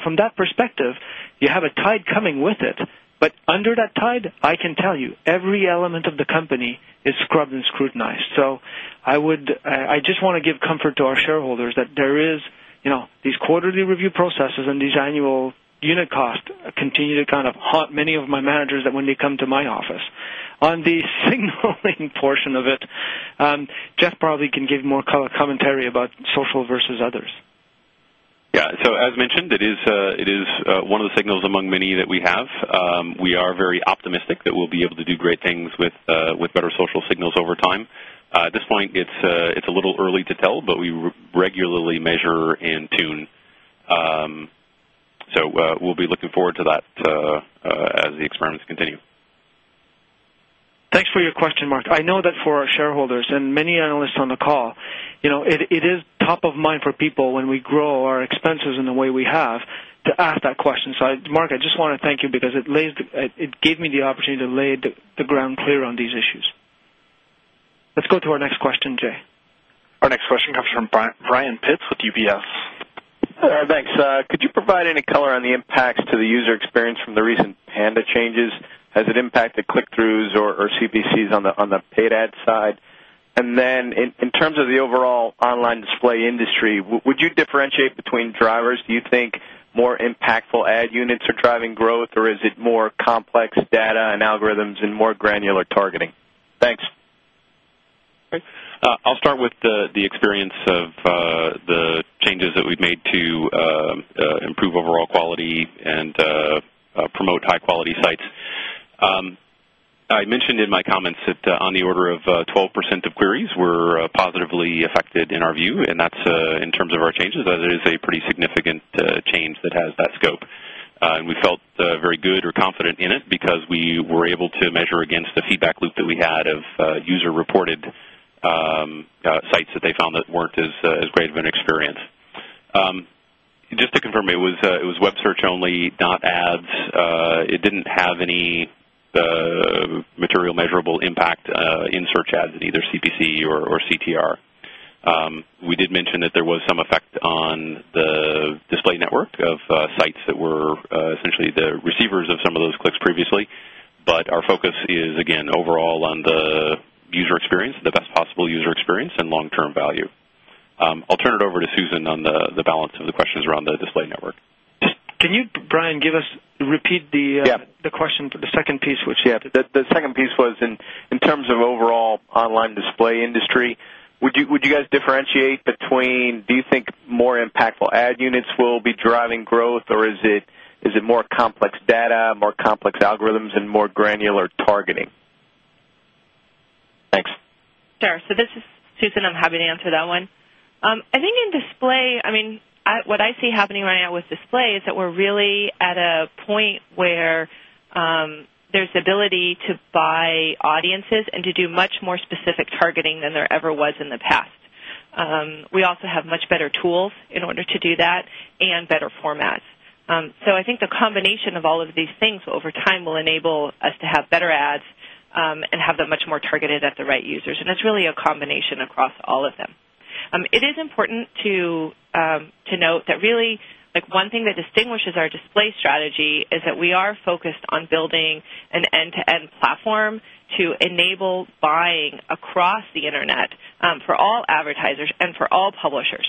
From that perspective, you have a tide coming with it. But under that tide, I can tell you every element of the company is scrubbed and scrutinized. I just want to give comfort to our shareholders that there are these quarterly review processes and these annual unit costs that continue to kind of haunt many of my managers when they come to my office. On the signaling portion of it, Jeff probably can give more color commentary about social versus others.
Yeah. As mentioned, it is one of the signals among many that we have. We are very optimistic that we'll be able to do great things with better social signals over time. At this point, it's a little early to tell, but we regularly measure and tune. We'll be looking forward to that as the experiments continue.
Thanks for your question, Mark. I know that for our shareholders and many analysts on the call, it is top of mind for people when we grow our expenses in the way we have to ask that question. Mark, I just want to thank you because it gave me the opportunity to lay the ground clear on these issues. Let's go to our next question, Jane.
Our next question comes from Brian Pitz with UBS.
Thanks. Could you provide any color on the impacts to the user experience from the recent Panda changes? Has it impacted click-throughs or CVCs on the paid ad side? Then in terms of the overall online display industry, would you differentiate between drivers? Do you think more impactful ad units are driving growth, or is it more complex data and algorithms and more granular targeting? Thanks.
I'll start with the experience of the changes that we've made to improve overall quality and promote high-quality sites. I mentioned in my comments that on the order of 12% of queries were positively affected in our view. That's in terms of our changes. That is a pretty significant change that has that scope. We felt very good or confident in it because we were able to measure against the feedback loop that we had of user-reported sites that they found that weren't as great of an experience. Just to confirm, it was web search only, not ads. It didn't have any material measurable impact in search ads in either CPC or CTR. We did mention that there was some effect on the display network of sites that were essentially the receivers of some of those clicks previously. But our focus is, again, overall on the user experience, the best possible user experience, and long-term value. I'll turn it over to Susan on the balance of the questions around the display network.
Can you, Brian, repeat the question, the second piece?
Yeah. The second piece was in terms of overall online display industry. Would you guys differentiate between do you think more impactful ad units will be driving growth, or is it more complex data, more complex algorithms, and more granular targeting? Thanks.
Sure. This is Susan. I'm happy to answer that one. I think in display, I mean, what I see happening right now with display is that we're really at a point where there's ability to buy audiences and to do much more specific targeting than there ever was in the past. We also have much better tools in order to do that and better formats. I think the combination of all of these things over time will enable us to have better ads and have them much more targeted at the right users. It's really a combination across all of them. It is important to note that really one thing that distinguishes our display strategy is that we are focused on building an end-to-end platform to enable buying across the internet for all advertisers and for all publishers.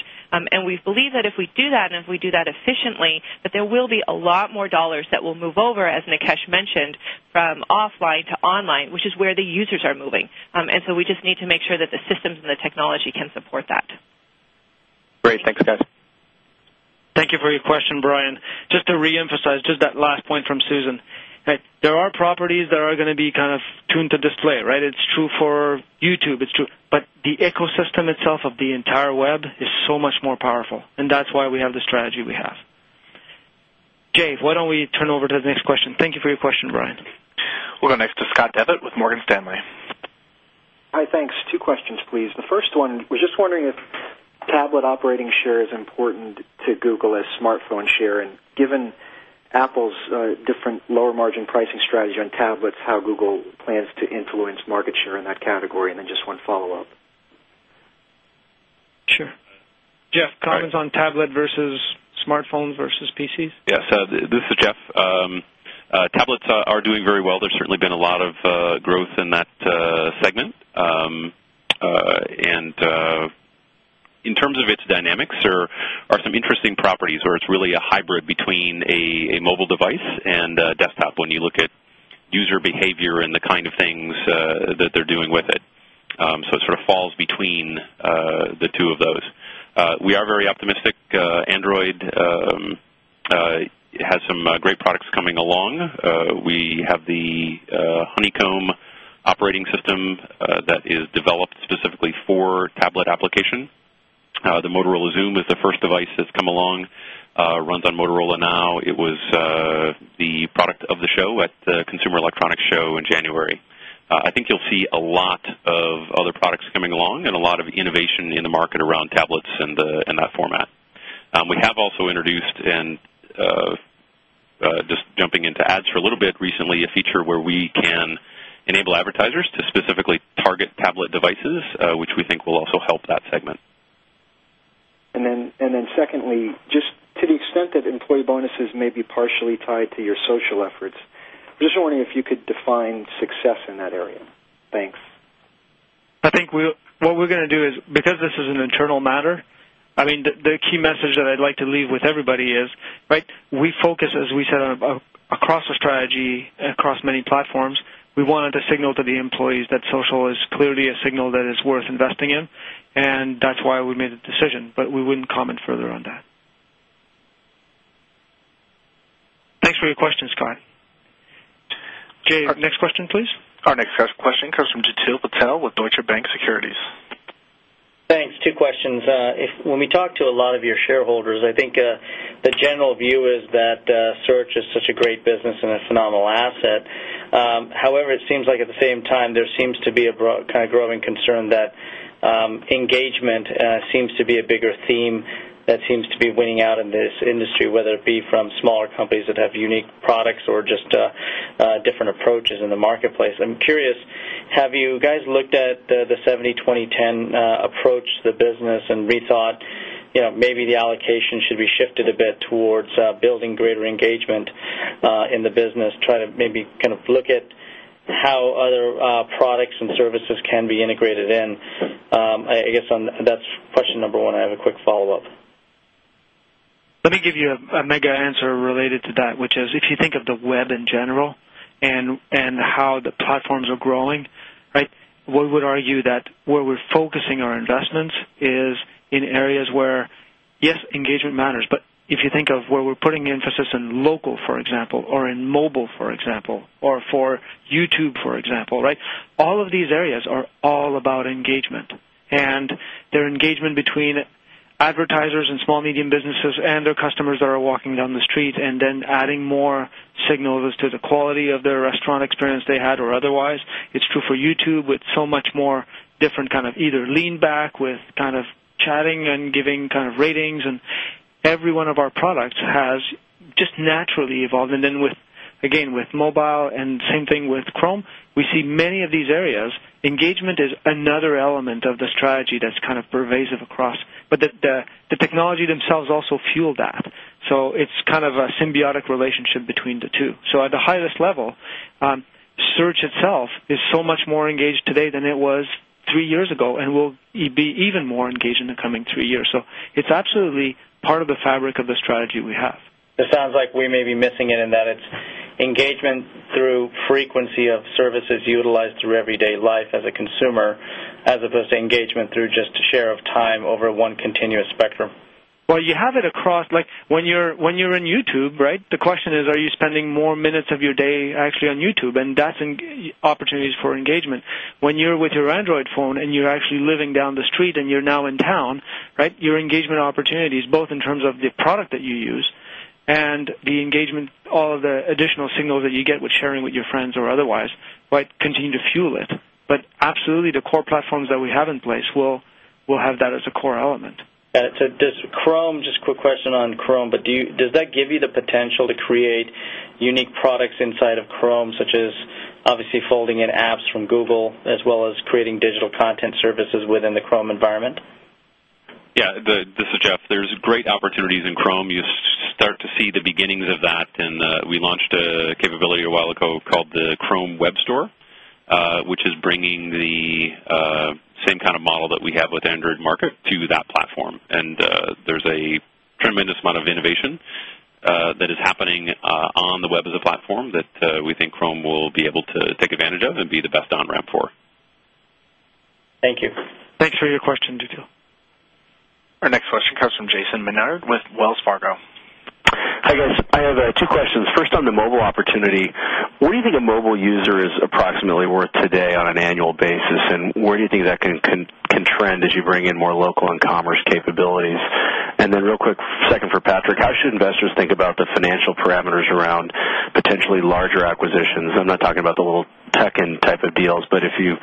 We believe that if we do that and if we do that efficiently, that there will be a lot more dollars that will move over, as Nikesh mentioned, from offline to online, which is where the users are moving. We just need to make sure that the systems and the technology can support that.
Great. Thanks, guys.
Thank you for your question, Brian. Just to reemphasize just that last point from Susan. There are properties that are going to be kind of tuned to display, right? It's true for YouTube. It's true, but the ecosystem itself of the entire web is so much more powerful, and that's why we have the strategy we have. Jane, why don't we turn over to the next question? Thank you for your question, Brian.
We'll go next to Scott Devitt with Morgan Stanley.
Hi. Thanks. Two questions, please. The first one, we're just wondering if tablet operating share is important to Google as smartphone share and given Apple's different lower-margin pricing strategy on tablets, how Google plans to influence market share in that category. Then just one follow-up.
Sure. Jeff, comments on tablet versus smartphones versus PCs?
Yes. This is Jeff. Tablets are doing very well. There's certainly been a lot of growth in that segment. In terms of its dynamics, there are some interesting properties where it's really a hybrid between a mobile device and a desktop when you look at user behavior and the kind of things that they're doing with it. It sort of falls between the two of those. We are very optimistic. Android has some great products coming along. We have the Honeycomb operating system that is developed specifically for tablet application. The Motorola Xoom is the first device that's come along. It runs on Honeycomb now. It was the product of the show at the Consumer Electronics Show in January. I think you'll see a lot of other products coming along and a lot of innovation in the market around tablets and that format. We have also introduced, and just jumping into ads for a little bit recently, a feature where we can enable advertisers to specifically target tablet devices, which we think will also help that segment.
Then secondly, just to the extent that employee bonuses may be partially tied to your social efforts, I'm just wondering if you could define success in that area. Thanks.
I think what we're going to do is, because this is an internal matter, I mean, the key message that I'd like to leave with everybody is we focus, as we said, across the strategy and across many platforms. We wanted to signal to the employees that social is clearly a signal that is worth investing in. That's why we made the decision. But we wouldn't comment further on that. Thanks for your question, Scott. Jane, next question, please.
Our next question comes from Jeetil Patel with Deutsche Bank Securities.
Thanks. Two questions. When we talk to a lot of your shareholders, I think the general view is that search is such a great business and a phenomenal asset. However, it seems like at the same time, there seems to be a kind of growing concern that engagement seems to be a bigger theme that seems to be winning out in this industry, whether it be from smaller companies that have unique products or just different approaches in the marketplace. I'm curious, have you guys looked at the 70/20/10 approach to the business and rethought maybe the allocation should be shifted a bit towards building greater engagement in the business, try to maybe kind of look at how other products and services can be integrated in? I guess that's question number one. I have a quick follow-up.
Let me give you a mega answer related to that, which is if you think of the web in general and how the platforms are growing, we would argue that where we're focusing our investments is in areas where, yes, engagement matters. But if you think of where we're putting emphasis in local, for example, or in mobile, for example, or for YouTube, for example, all of these areas are all about engagement. Their engagement between advertisers and small, medium businesses and their customers that are walking down the street and then adding more signals as to the quality of their restaurant experience they had or otherwise. It's true for YouTube with so much more different kind of either lean back with kind of chatting and giving kind of ratings. Every one of our products has just naturally evolved. Then again, with mobile and the same thing with Chrome, we see many of these areas. Engagement is another element of the strategy that's kind of pervasive across. But the technology themselves also fuel that. It's kind of a symbiotic relationship between the two. At highest level, search itself is so much more engaged today than it was three years ago and will be even more engaged in the coming three years. It's absolutely part of the fabric of the strategy we have.
It sounds like we may be missing it in that it's engagement through frequency of services utilized through everyday life as a consumer as opposed to engagement through just a share of time over one continuous spectrum.
Well, you have it across when you're on YouTube. The question is, are you spending more minutes of your day actually on YouTube? That's opportunities for engagement. When you're with your Android phone and you're actually living down the street and you're now in town, your engagement opportunities, both in terms of the product that you use and the engagement, all of the additional signals that you get with sharing with your friends or otherwise, continue to fuel it. But absolutely, the core platforms that we have in place will have that as a core element.
Got it. Chrome, just a quick question on Chrome. But does that give you the potential to create unique products inside of Chrome, such as obviously folding in apps from Google as well as creating digital content services within the Chrome environment?
Yeah. This is Jeff. There's great opportunities in Chrome. You start to see the beginnings of that. We launched a capability a while ago called the Chrome Web Store, which is bringing the same kind of model that we have with Android Market to that platform. There's a tremendous amount of innovation that is happening on the web as a platform that we think Chrome will be able to take advantage of and be the best on-ramp for.
Thank you.
Thanks for your question, Jeetil.
Our next question comes from Jason Maynard with Wells Fargo.
Hi, guys. I have two questions. First, on the mobile opportunity, what do you think a mobile user is approximately worth today on an annual basis? Where do you think that can trend as you bring in more local and commerce capabilities? Then real quick, second for Patrick, how should investors think about the financial parameters around potentially larger acquisitions? I'm not talking about the little tuck-in type of deals, but if you,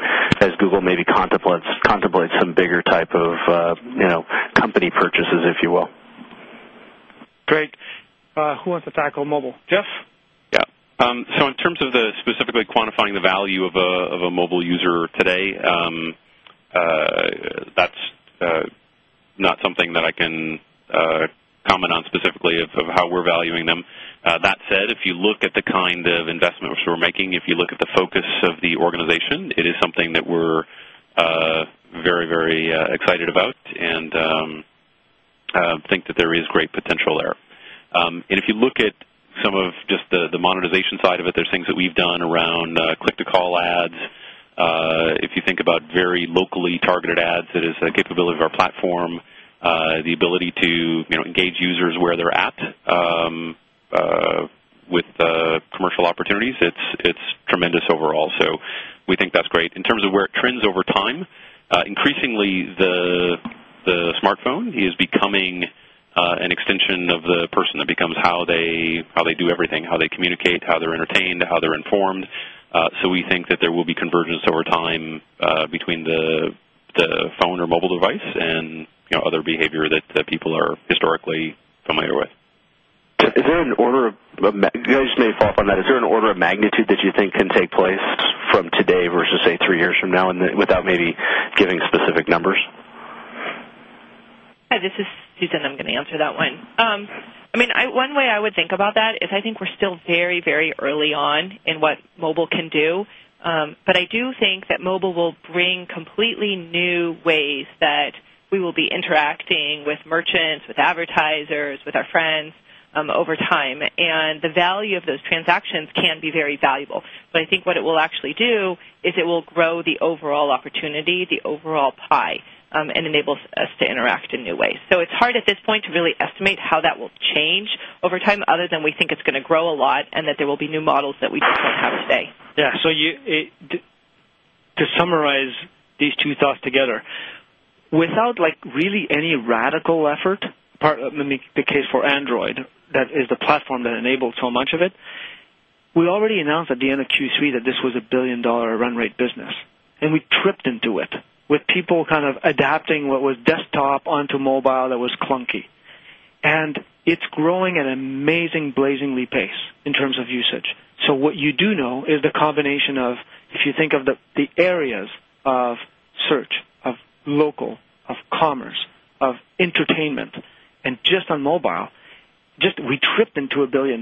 as Google, maybe contemplate some bigger type of company purchases, if you will.
Great. Who wants to tackle mobile? Jeff?
Yeah. In terms of the specifically quantifying the value of a mobile user today, that's not something that I can comment on specifically of how we're valuing them. That said, if you look at the kind of investment we're making, if you look at the focus of the organization, it is something that we're very, very excited about and think that there is great potential there, and if you look at some of just the monetization side of it, there's things that we've done around Click-to-Call ads. If you think about very locally targeted ads, it is the capability of our platform, the ability to engage users where they're at with commercial opportunities. It's tremendous overall, so we think that's great. In terms of where it trends over time, increasingly, the smartphone is becoming an extension of the person. It becomes how they do everything, how they communicate, how they're entertained, how they're informed. We think that there will be convergence over time between the phone or mobile device and other behavior that people are historically familiar with.
Is there an order of—you guys may fall upon that? Is there an order of magnitude that you think can take place from today versus, say, three years from now without maybe giving specific numbers?
This is Susan. I'm going to answer that one. I mean, one way I would think about that is I think we're still very, very early on in what mobile can do. But I do think that mobile will bring completely new ways that we will be interacting with merchants, with advertisers, with our friends over time. The value of those transactions can be very valuable. But I think what it will actually do is it will grow the overall opportunity, the overall pie, and enable us to interact in new ways. It's hard at this point to really estimate how that will change over time other than we think it's going to grow a lot and that there will be new models that we just don't have today.
Yeah. To summarize these two thoughts together, without really any radical effort, partly the case for Android that is the platform that enabled so much of it, we already announced at the end of Q3 that this was a billion-dollar run-rate business. We tripped into it with people kind of adapting what was desktop onto mobile that was clunky. It's growing at an amazing, blazingly pace in terms of usage. What you do know is the combination of if you think of the areas of search, of local, of commerce, of entertainment, and just on mobile, we tripped into $1 billion.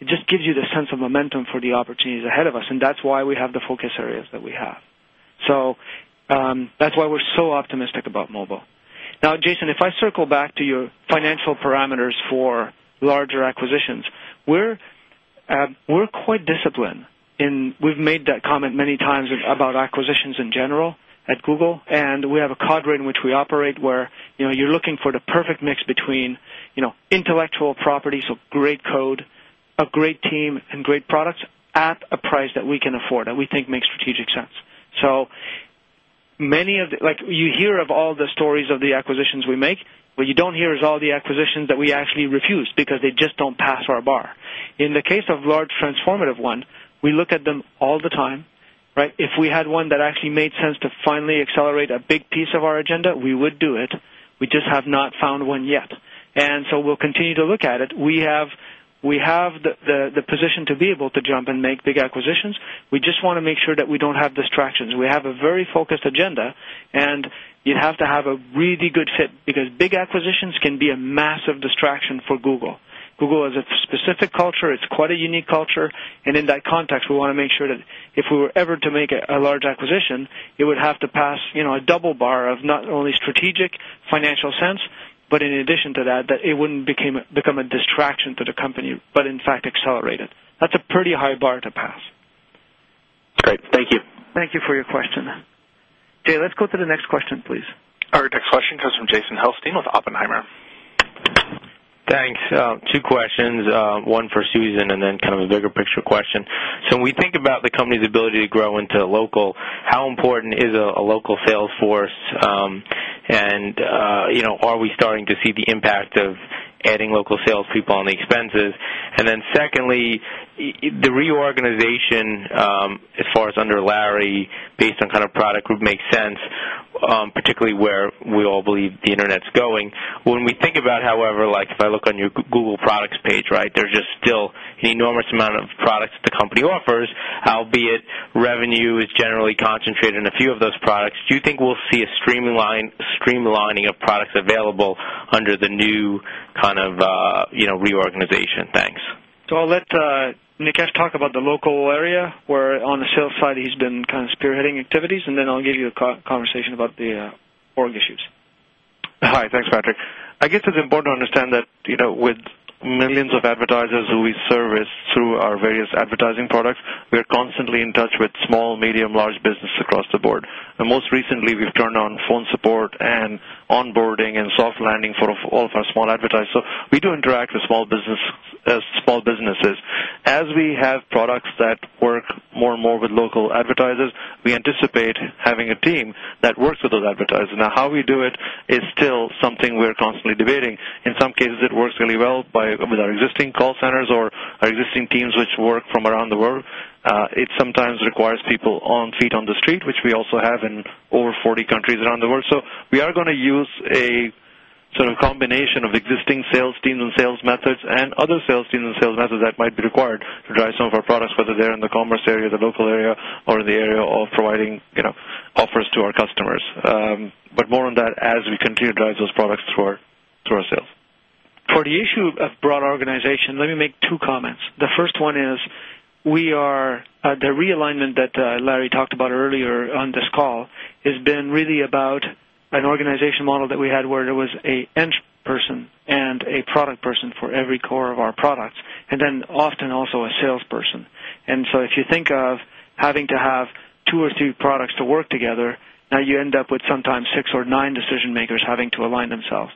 It just gives you the sense of momentum for the opportunities ahead of us. That's why we have the focus areas that we have. That's why we're so optimistic about mobile. Now, Jason, if I circle back to your financial parameters for larger acquisitions, we're quite disciplined, and we've made that comment many times about acquisitions in general at Google, and we have a criteria in which we operate where you're looking for the perfect mix between intellectual properties of great code, a great team, and great products at a price that we can afford that we think makes strategic sense, so many of you hear of all the stories of the acquisitions we make. What you don't hear is all the acquisitions that we actually refuse because they just don't pass our bar. In the case of large transformative ones, we look at them all the time. If we had one that actually made sense to finally accelerate a big piece of our agenda, we would do it. We just have not found one yet. We'll continue to look at it. We have the position to be able to jump and make big acquisitions. We just want to make sure that we don't have distractions. We have a very focused agenda. You'd have to have a really good fit because big acquisitions can be a massive distraction for Google. Google has a specific culture. It's quite a unique culture. In that context, we want to make sure that if we were ever to make a large acquisition, it would have to pass a double bar of not only strategic financial sense, but in addition to that, that it wouldn't become a distraction to the company, but in fact, accelerate it. That's a pretty high bar to pass.
Great. Thank you.
Thank you for your question. Jane, let's go to the next question, please.
Our next question comes from Jason Helfstein with Oppenheimer.
Thanks. Two questions, one for Susan and then kind of a bigger picture question. When we think about the company's ability to grow into local, how important is a local sales force? Are we starting to see the impact of adding local salespeople on the expenses? Then secondly, the reorganization as far as under Larry, based on kind of product group, makes sense, particularly where we all believe the internet's going. When we think about, however, if I look on your Google products page, there's just still an enormous amount of products that the company offers, albeit revenue is generally concentrated in a few of those products. Do you think we'll see a streamlining of products available under the new kind of reorganization? Thanks.
I'll let Nikesh talk about the local area where on the sales side, he's been kind of spearheading activities. Then I'll give you a conversation about the org issues.
Hi. Thanks, Patrick. I guess it's important to understand that with millions of advertisers who we service through our various advertising products, we are constantly in touch with small, medium, large businesses across the board, and most recently, we've turned on phone support and onboarding and soft landing for all of our small advertisers, so we do interact with small businesses. As we have products that work more and more with local advertisers, we anticipate having a team that works with those advertisers. Now, how we do it is still something we're constantly debating. In some cases, it works really well with our existing call centers or our existing teams which work from around the world. It sometimes requires people on feet on the street, which we also have in over 40 countries around the world. We are going to use a sort of combination of existing sales teams and sales methods and other sales teams and sales methods that might be required to drive some of our products, whether they're in the commerce area, the local area, or in the area of providing offers to our customers. More on that as we continue to drive those products through our sales. For the issue of broad organization, let me make two comments. The first one is the realignment that Larry talked about earlier on this call has been really about an organization model that we had where there was an end person and a product person for every core of our products, and then often also a salesperson. If you think of having to have two or three products to work together, now you end up with sometimes six or nine decision-makers having to align themselves.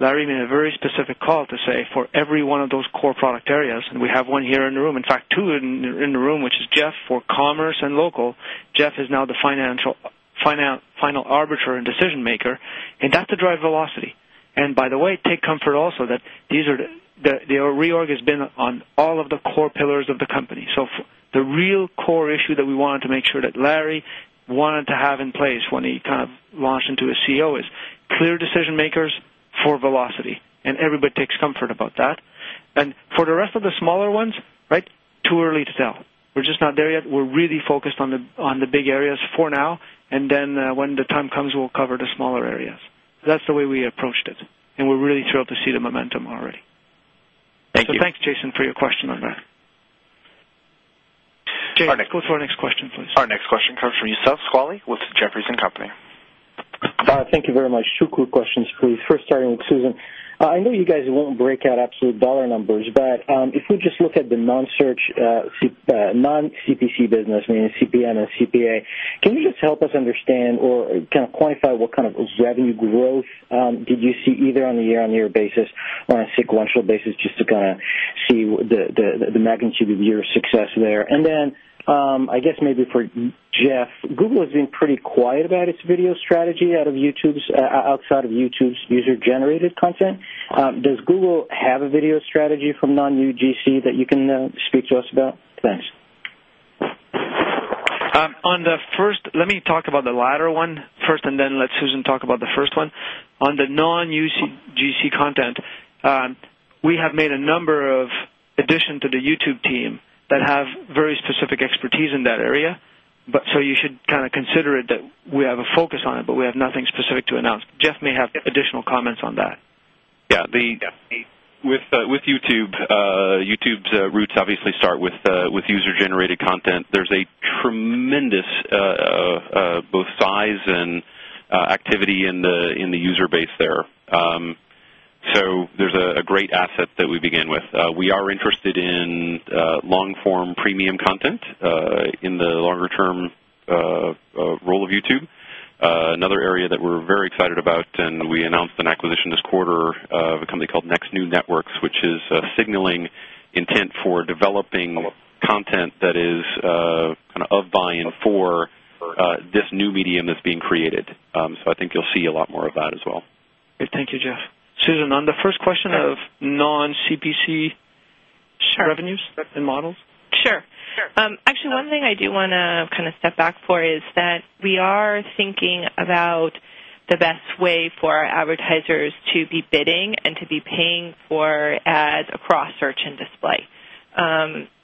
Larry made a very specific call to say for every one of those core product areas, and we have one here in the room, in fact, two in the room, which is Jeff for commerce and local. Jeff is now the final arbiter, decision-maker. That's to drive velocity. By the way, take comfort also that the reorg has been on all of the core pillars of the company. The real core issue that we wanted to make sure that Larry wanted to have in place when he kind of launched into his CEO is clear decision-makers for velocity. Everybody takes comfort about that. For the rest of the smaller ones, too early to tell. We're just not there yet. We're really focused on the big areas for now. Then when the time comes, we'll cover the smaller areas. That's the way we approached it. We're really thrilled to see the momentum already.
Thank you.
Thanks, Jason, for your question on that.
Pardon?
Our next question, please.
Our next question comes from Youssef Squali with Jefferies & Company.
Thank you very much. Two quick questions, please. First, starting with Susan. I know you guys won't break out absolute dollar numbers, but if we just look at the non-CPC business, meaning CPM and CPA, can you just help us understand or kind of quantify what kind of revenue growth did you see either on a year-on-year basis or on a sequential basis just to kind of see the magnitude of your success there? Then I guess maybe for Jeff, Google has been pretty quiet about its video strategy outside of YouTube's user-generated content. Does Google have a video strategy from non-UGC that you can speak to us about? Thanks.
Let me talk about the latter one first, and then let Susan talk about the first one. On the non-UGC content, we have made a number of additions to the YouTube team that have very specific expertise in that area. You should kind of consider it that we have a focus on it, but we have nothing specific to announce. Jeff may have additional comments on that.
Yeah. With YouTube, YouTube's roots obviously start with user-generated content. There's a tremendous both size and activity in the user base there. There's a great asset that we begin with. We are interested in long-form premium content in the longer-term role of YouTube. Another area that we're very excited about, and we announced an acquisition this quarter of a company called Next New Networks, which is signaling intent for developing content that is kind of buy-in for this new medium that's being created. I think you'll see a lot more of that as well.
Thank you, Jeff. Susan, on the first question of non-CPC revenues and models.
Sure. Actually, one thing I do want to kind of step back for is that we are thinking about the best way for our advertisers to be bidding and to be paying for ads across search and display,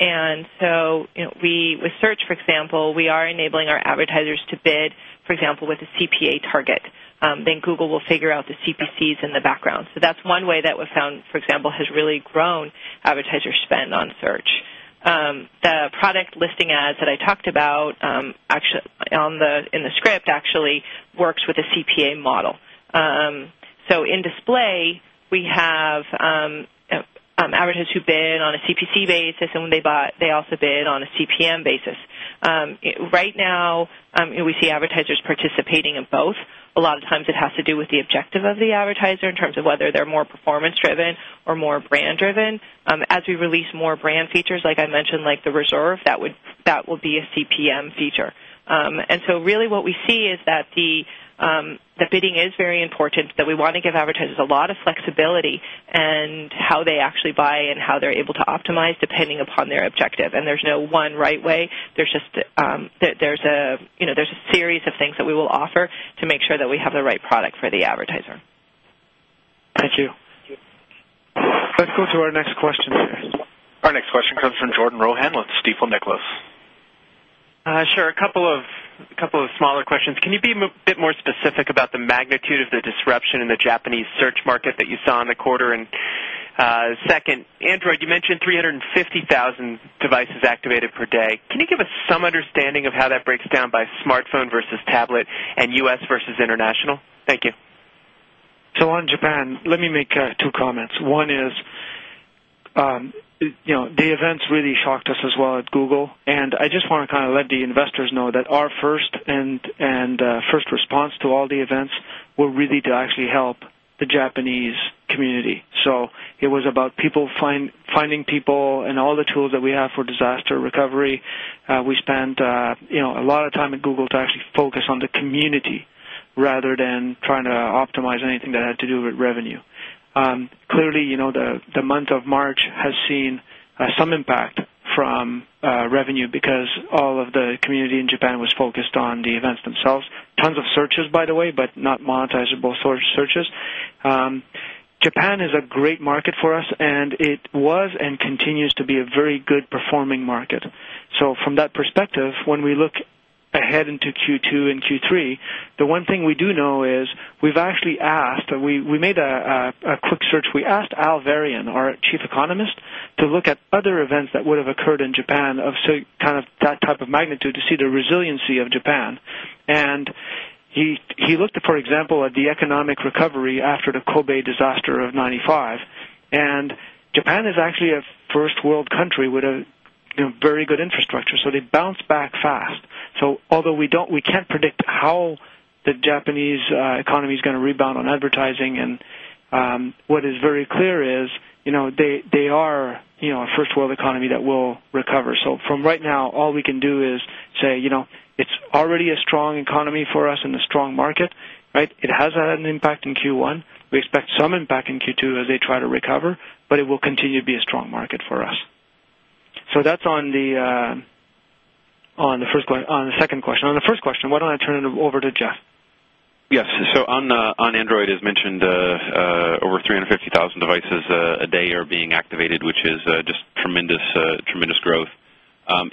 and so with search, for example, we are enabling our advertisers to bid, for example, with a CPA target, then Google will figure out the CPCs in the background, so that's one way that we've found, for example, has really grown advertiser spend on search. The Product Listing Ads that I talked about in the script actually works with a CPA model, so in display, we have advertisers who bid on a CPC basis, and when they buy, they also bid on a CPM basis. Right now, we see advertisers participating in both. A lot of times, it has to do with the objective of the advertiser in terms of whether they're more performance-driven or more brand-driven. As we release more brand features, like I mentioned, like the reserve, that will be a CPM feature. Really what we see is that the bidding is very important, that we want to give advertisers a lot of flexibility in how they actually buy and how they're able to optimize depending upon their objective. There's no one right way. There's a series of things that we will offer to make sure that we have the right product for the advertiser.
Thank you.
Let's go to our next question here.
Our next question comes from Jordan Rohan with Stifel Nicolaus.
Sure. A couple of smaller questions. Can you be a bit more specific about the magnitude of the disruption in the Japanese search market that you saw in the quarter? Second, Android, you mentioned 350,000 devices activated per day. Can you give us some understanding of how that breaks down by smartphone versus tablet and U.S. versus international? Thank you.
On Japan, let me make two comments. One is the events really shocked us as well at Google. I just want to kind of let the investors know that our first response to all the events were really to actually help the Japanese community. It was about finding people and all the tools that we have for disaster recovery. We spent a lot of time at Google to actually focus on the community rather than trying to optimize anything that had to do with revenue. Clearly, the month of March has seen some impact from revenue because all of the community in Japan was focused on the events themselves. Tons of searches, by the way, but not monetizable searches. Japan is a great market for us, and it was and continues to be a very good performing market. From that perspective, when we look ahead into Q2 and Q3, the one thing we do know is we've actually asked. We made a quick search. We asked Hal Varian, our Chief Economist, to look at other events that would have occurred in Japan of kind of that type of magnitude to see the resiliency of Japan. He looked, for example, at the economic recovery after the Kobe disaster of 1995. And Japan is actually a first-world country with very good infrastructure. They bounced back fast. Although we can't predict how the Japanese economy is going to rebound on advertising, what is very clear is they are a first-world economy that will recover. From right now, all we can do is say it's already a strong economy for us and a strong market. It has had an impact in Q1. We expect some impact in Q2 as they try to recover, but it will continue to be a strong market for us. That's on the second question. On the first question, why don't I turn it over to Jeff?
Yes. On Android, as mentioned, over 350,000 devices a day are being activated, which is just tremendous growth.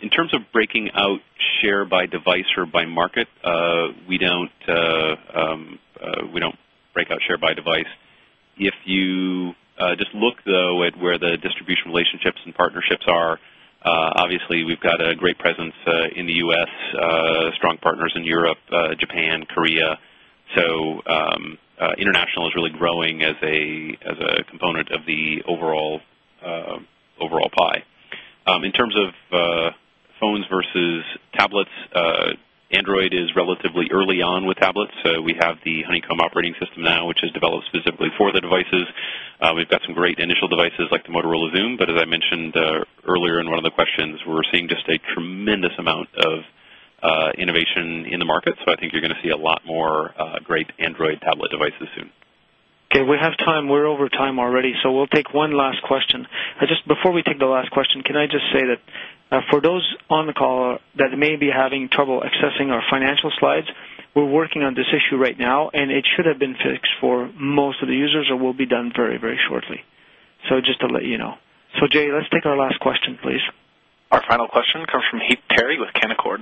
In terms of breaking out share by device or by market, we don't break out share by device. If you just look, though, at where the distribution relationships and partnerships are, obviously, we've got a great presence in the U.S., strong partners in Europe, Japan, Korea. International is really growing as a component of the overall pie. In terms of phones versus tablets, Android is relatively early on with tablets. We have the Honeycomb operating system now, which is developed specifically for the devices. We've got some great initial devices like the Motorola Xoom. But as I mentioned earlier in one of the questions, we're seeing just a tremendous amount of innovation in the market.I think you're going to see a lot more great Android tablet devices soon.
Okay. We have time. We're over time already. We'll take one last question. Just before we take the last question, can I just say that for those on the call that may be having trouble accessing our financial slides, we're working on this issue right now, and it should have been fixed for most of the users or will be done very, very shortly. Just to let you know. Jane, let's take our last question, please.
Our final question comes from Heath Terry with Canaccord.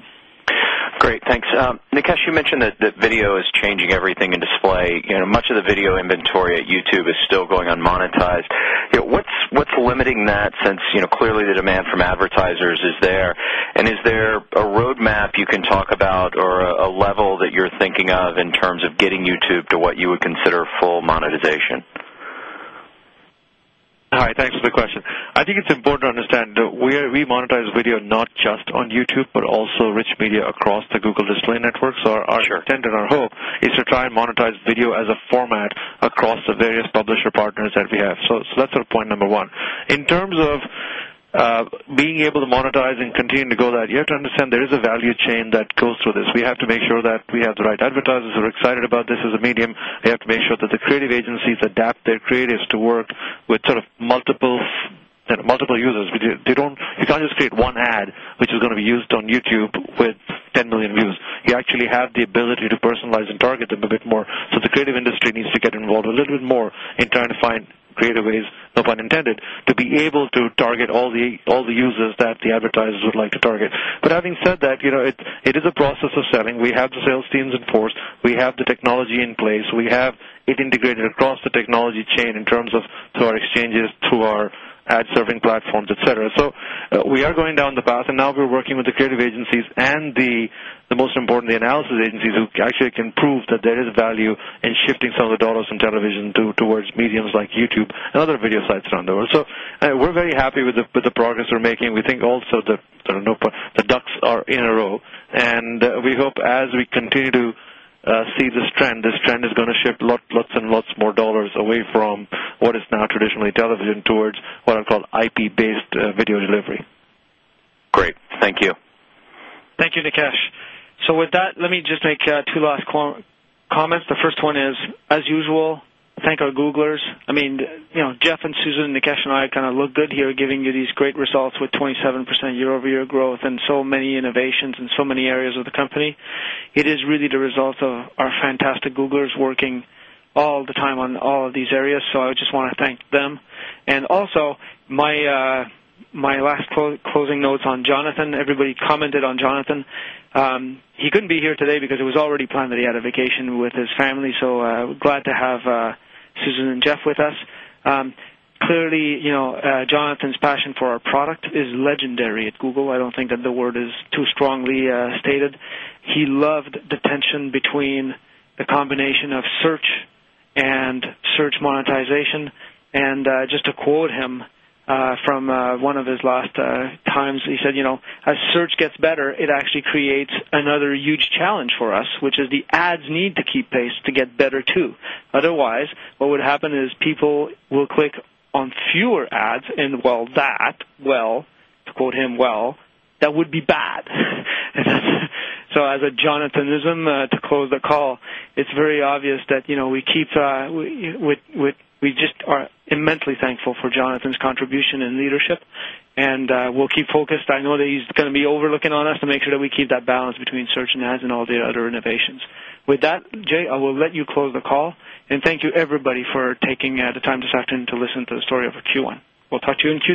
Great. Thanks. Nikesh, you mentioned that video is changing everything in display. Much of the video inventory at YouTube is still going unmonetized. What's limiting that since clearly the demand from advertisers is there? And is there a roadmap you can talk about or a level that you're thinking of in terms of getting YouTube to what you would consider full monetization?
Hi. Thanks for the question. I think it's important to understand that we monetize video not just on YouTube, but also rich media across the Google Display Network. So our intent and our hope is to try and monetize video as a format across the various publisher partners that we have. That's sort of point number one. In terms of being able to monetize and continue to go that, you have to understand there is a value chain that goes through this. We have to make sure that we have the right advertisers who are excited about this as a medium. We have to make sure that the creative agencies adapt their creatives to work with sort of multiple users. You can't just create one ad which is going to be used on YouTube with 10 million views. You actually have the ability to personalize and target them a bit more. The creative industry needs to get involved a little bit more in trying to find creative ways, no pun intended, to be able to target all the users that the advertisers would like to target. But having said that, it is a process of selling. We have the sales teams in force. We have the technology in place. We have it integrated across the technology chain in terms of through our exchanges, through our ad serving platforms, etc. We are going down the path, and now we're working with the creative agencies and the most important, the analytics agencies who actually can prove that there is value in shifting some of the dollars in television towards media like YouTube and other video sites around the world. We're very happy with the progress we're making. We think also that the ducks are in a row, and we hope as we continue to see this trend, this trend is going to shift lots and lots more dollars away from what is now traditionally television towards what I'll call IP-based video delivery.
Great. Thank you.
Thank you, Nikesh. With that, let me just make two last comments. The first one is, as usual, thank our Googlers. I mean, Jeff and Susan, Nikesh and I kind of look good here giving you these great results with 27% year-over-year growth and so many innovations in so many areas of the company. It is really the result of our fantastic Googlers working all the time on all of these areas. I just want to thank them. And also, my last closing notes on Jonathan. Everybody commented on Jonathan. He couldn't be here today because it was already planned that he had a vacation with his family. Glad to have Susan and Jeff with us. Clearly, Jonathan's passion for our product is legendary at Google. I don't think that the word is too strongly stated. He loved the tension between the combination of search and search monetization. And just to quote him from one of his last times, he said, "As search gets better, it actually creates another huge challenge for us, which is the ads need to keep pace to get better too. Otherwise, what would happen is people will click on fewer ads, and while that, well, to quote him, well, that would be bad." So as a Jonathanism to close the call, it's very obvious that we keep with we just are immensely thankful for Jonathan's contribution and leadership, and we'll keep focused. I know that he's going to be looking over us to make sure that we keep that balance between search and ads and all the other innovations. With that, Jane, I will let you close the call. Thank you, everybody, for taking the time this afternoon to listen to the story of Q1. We'll talk to you in Q1.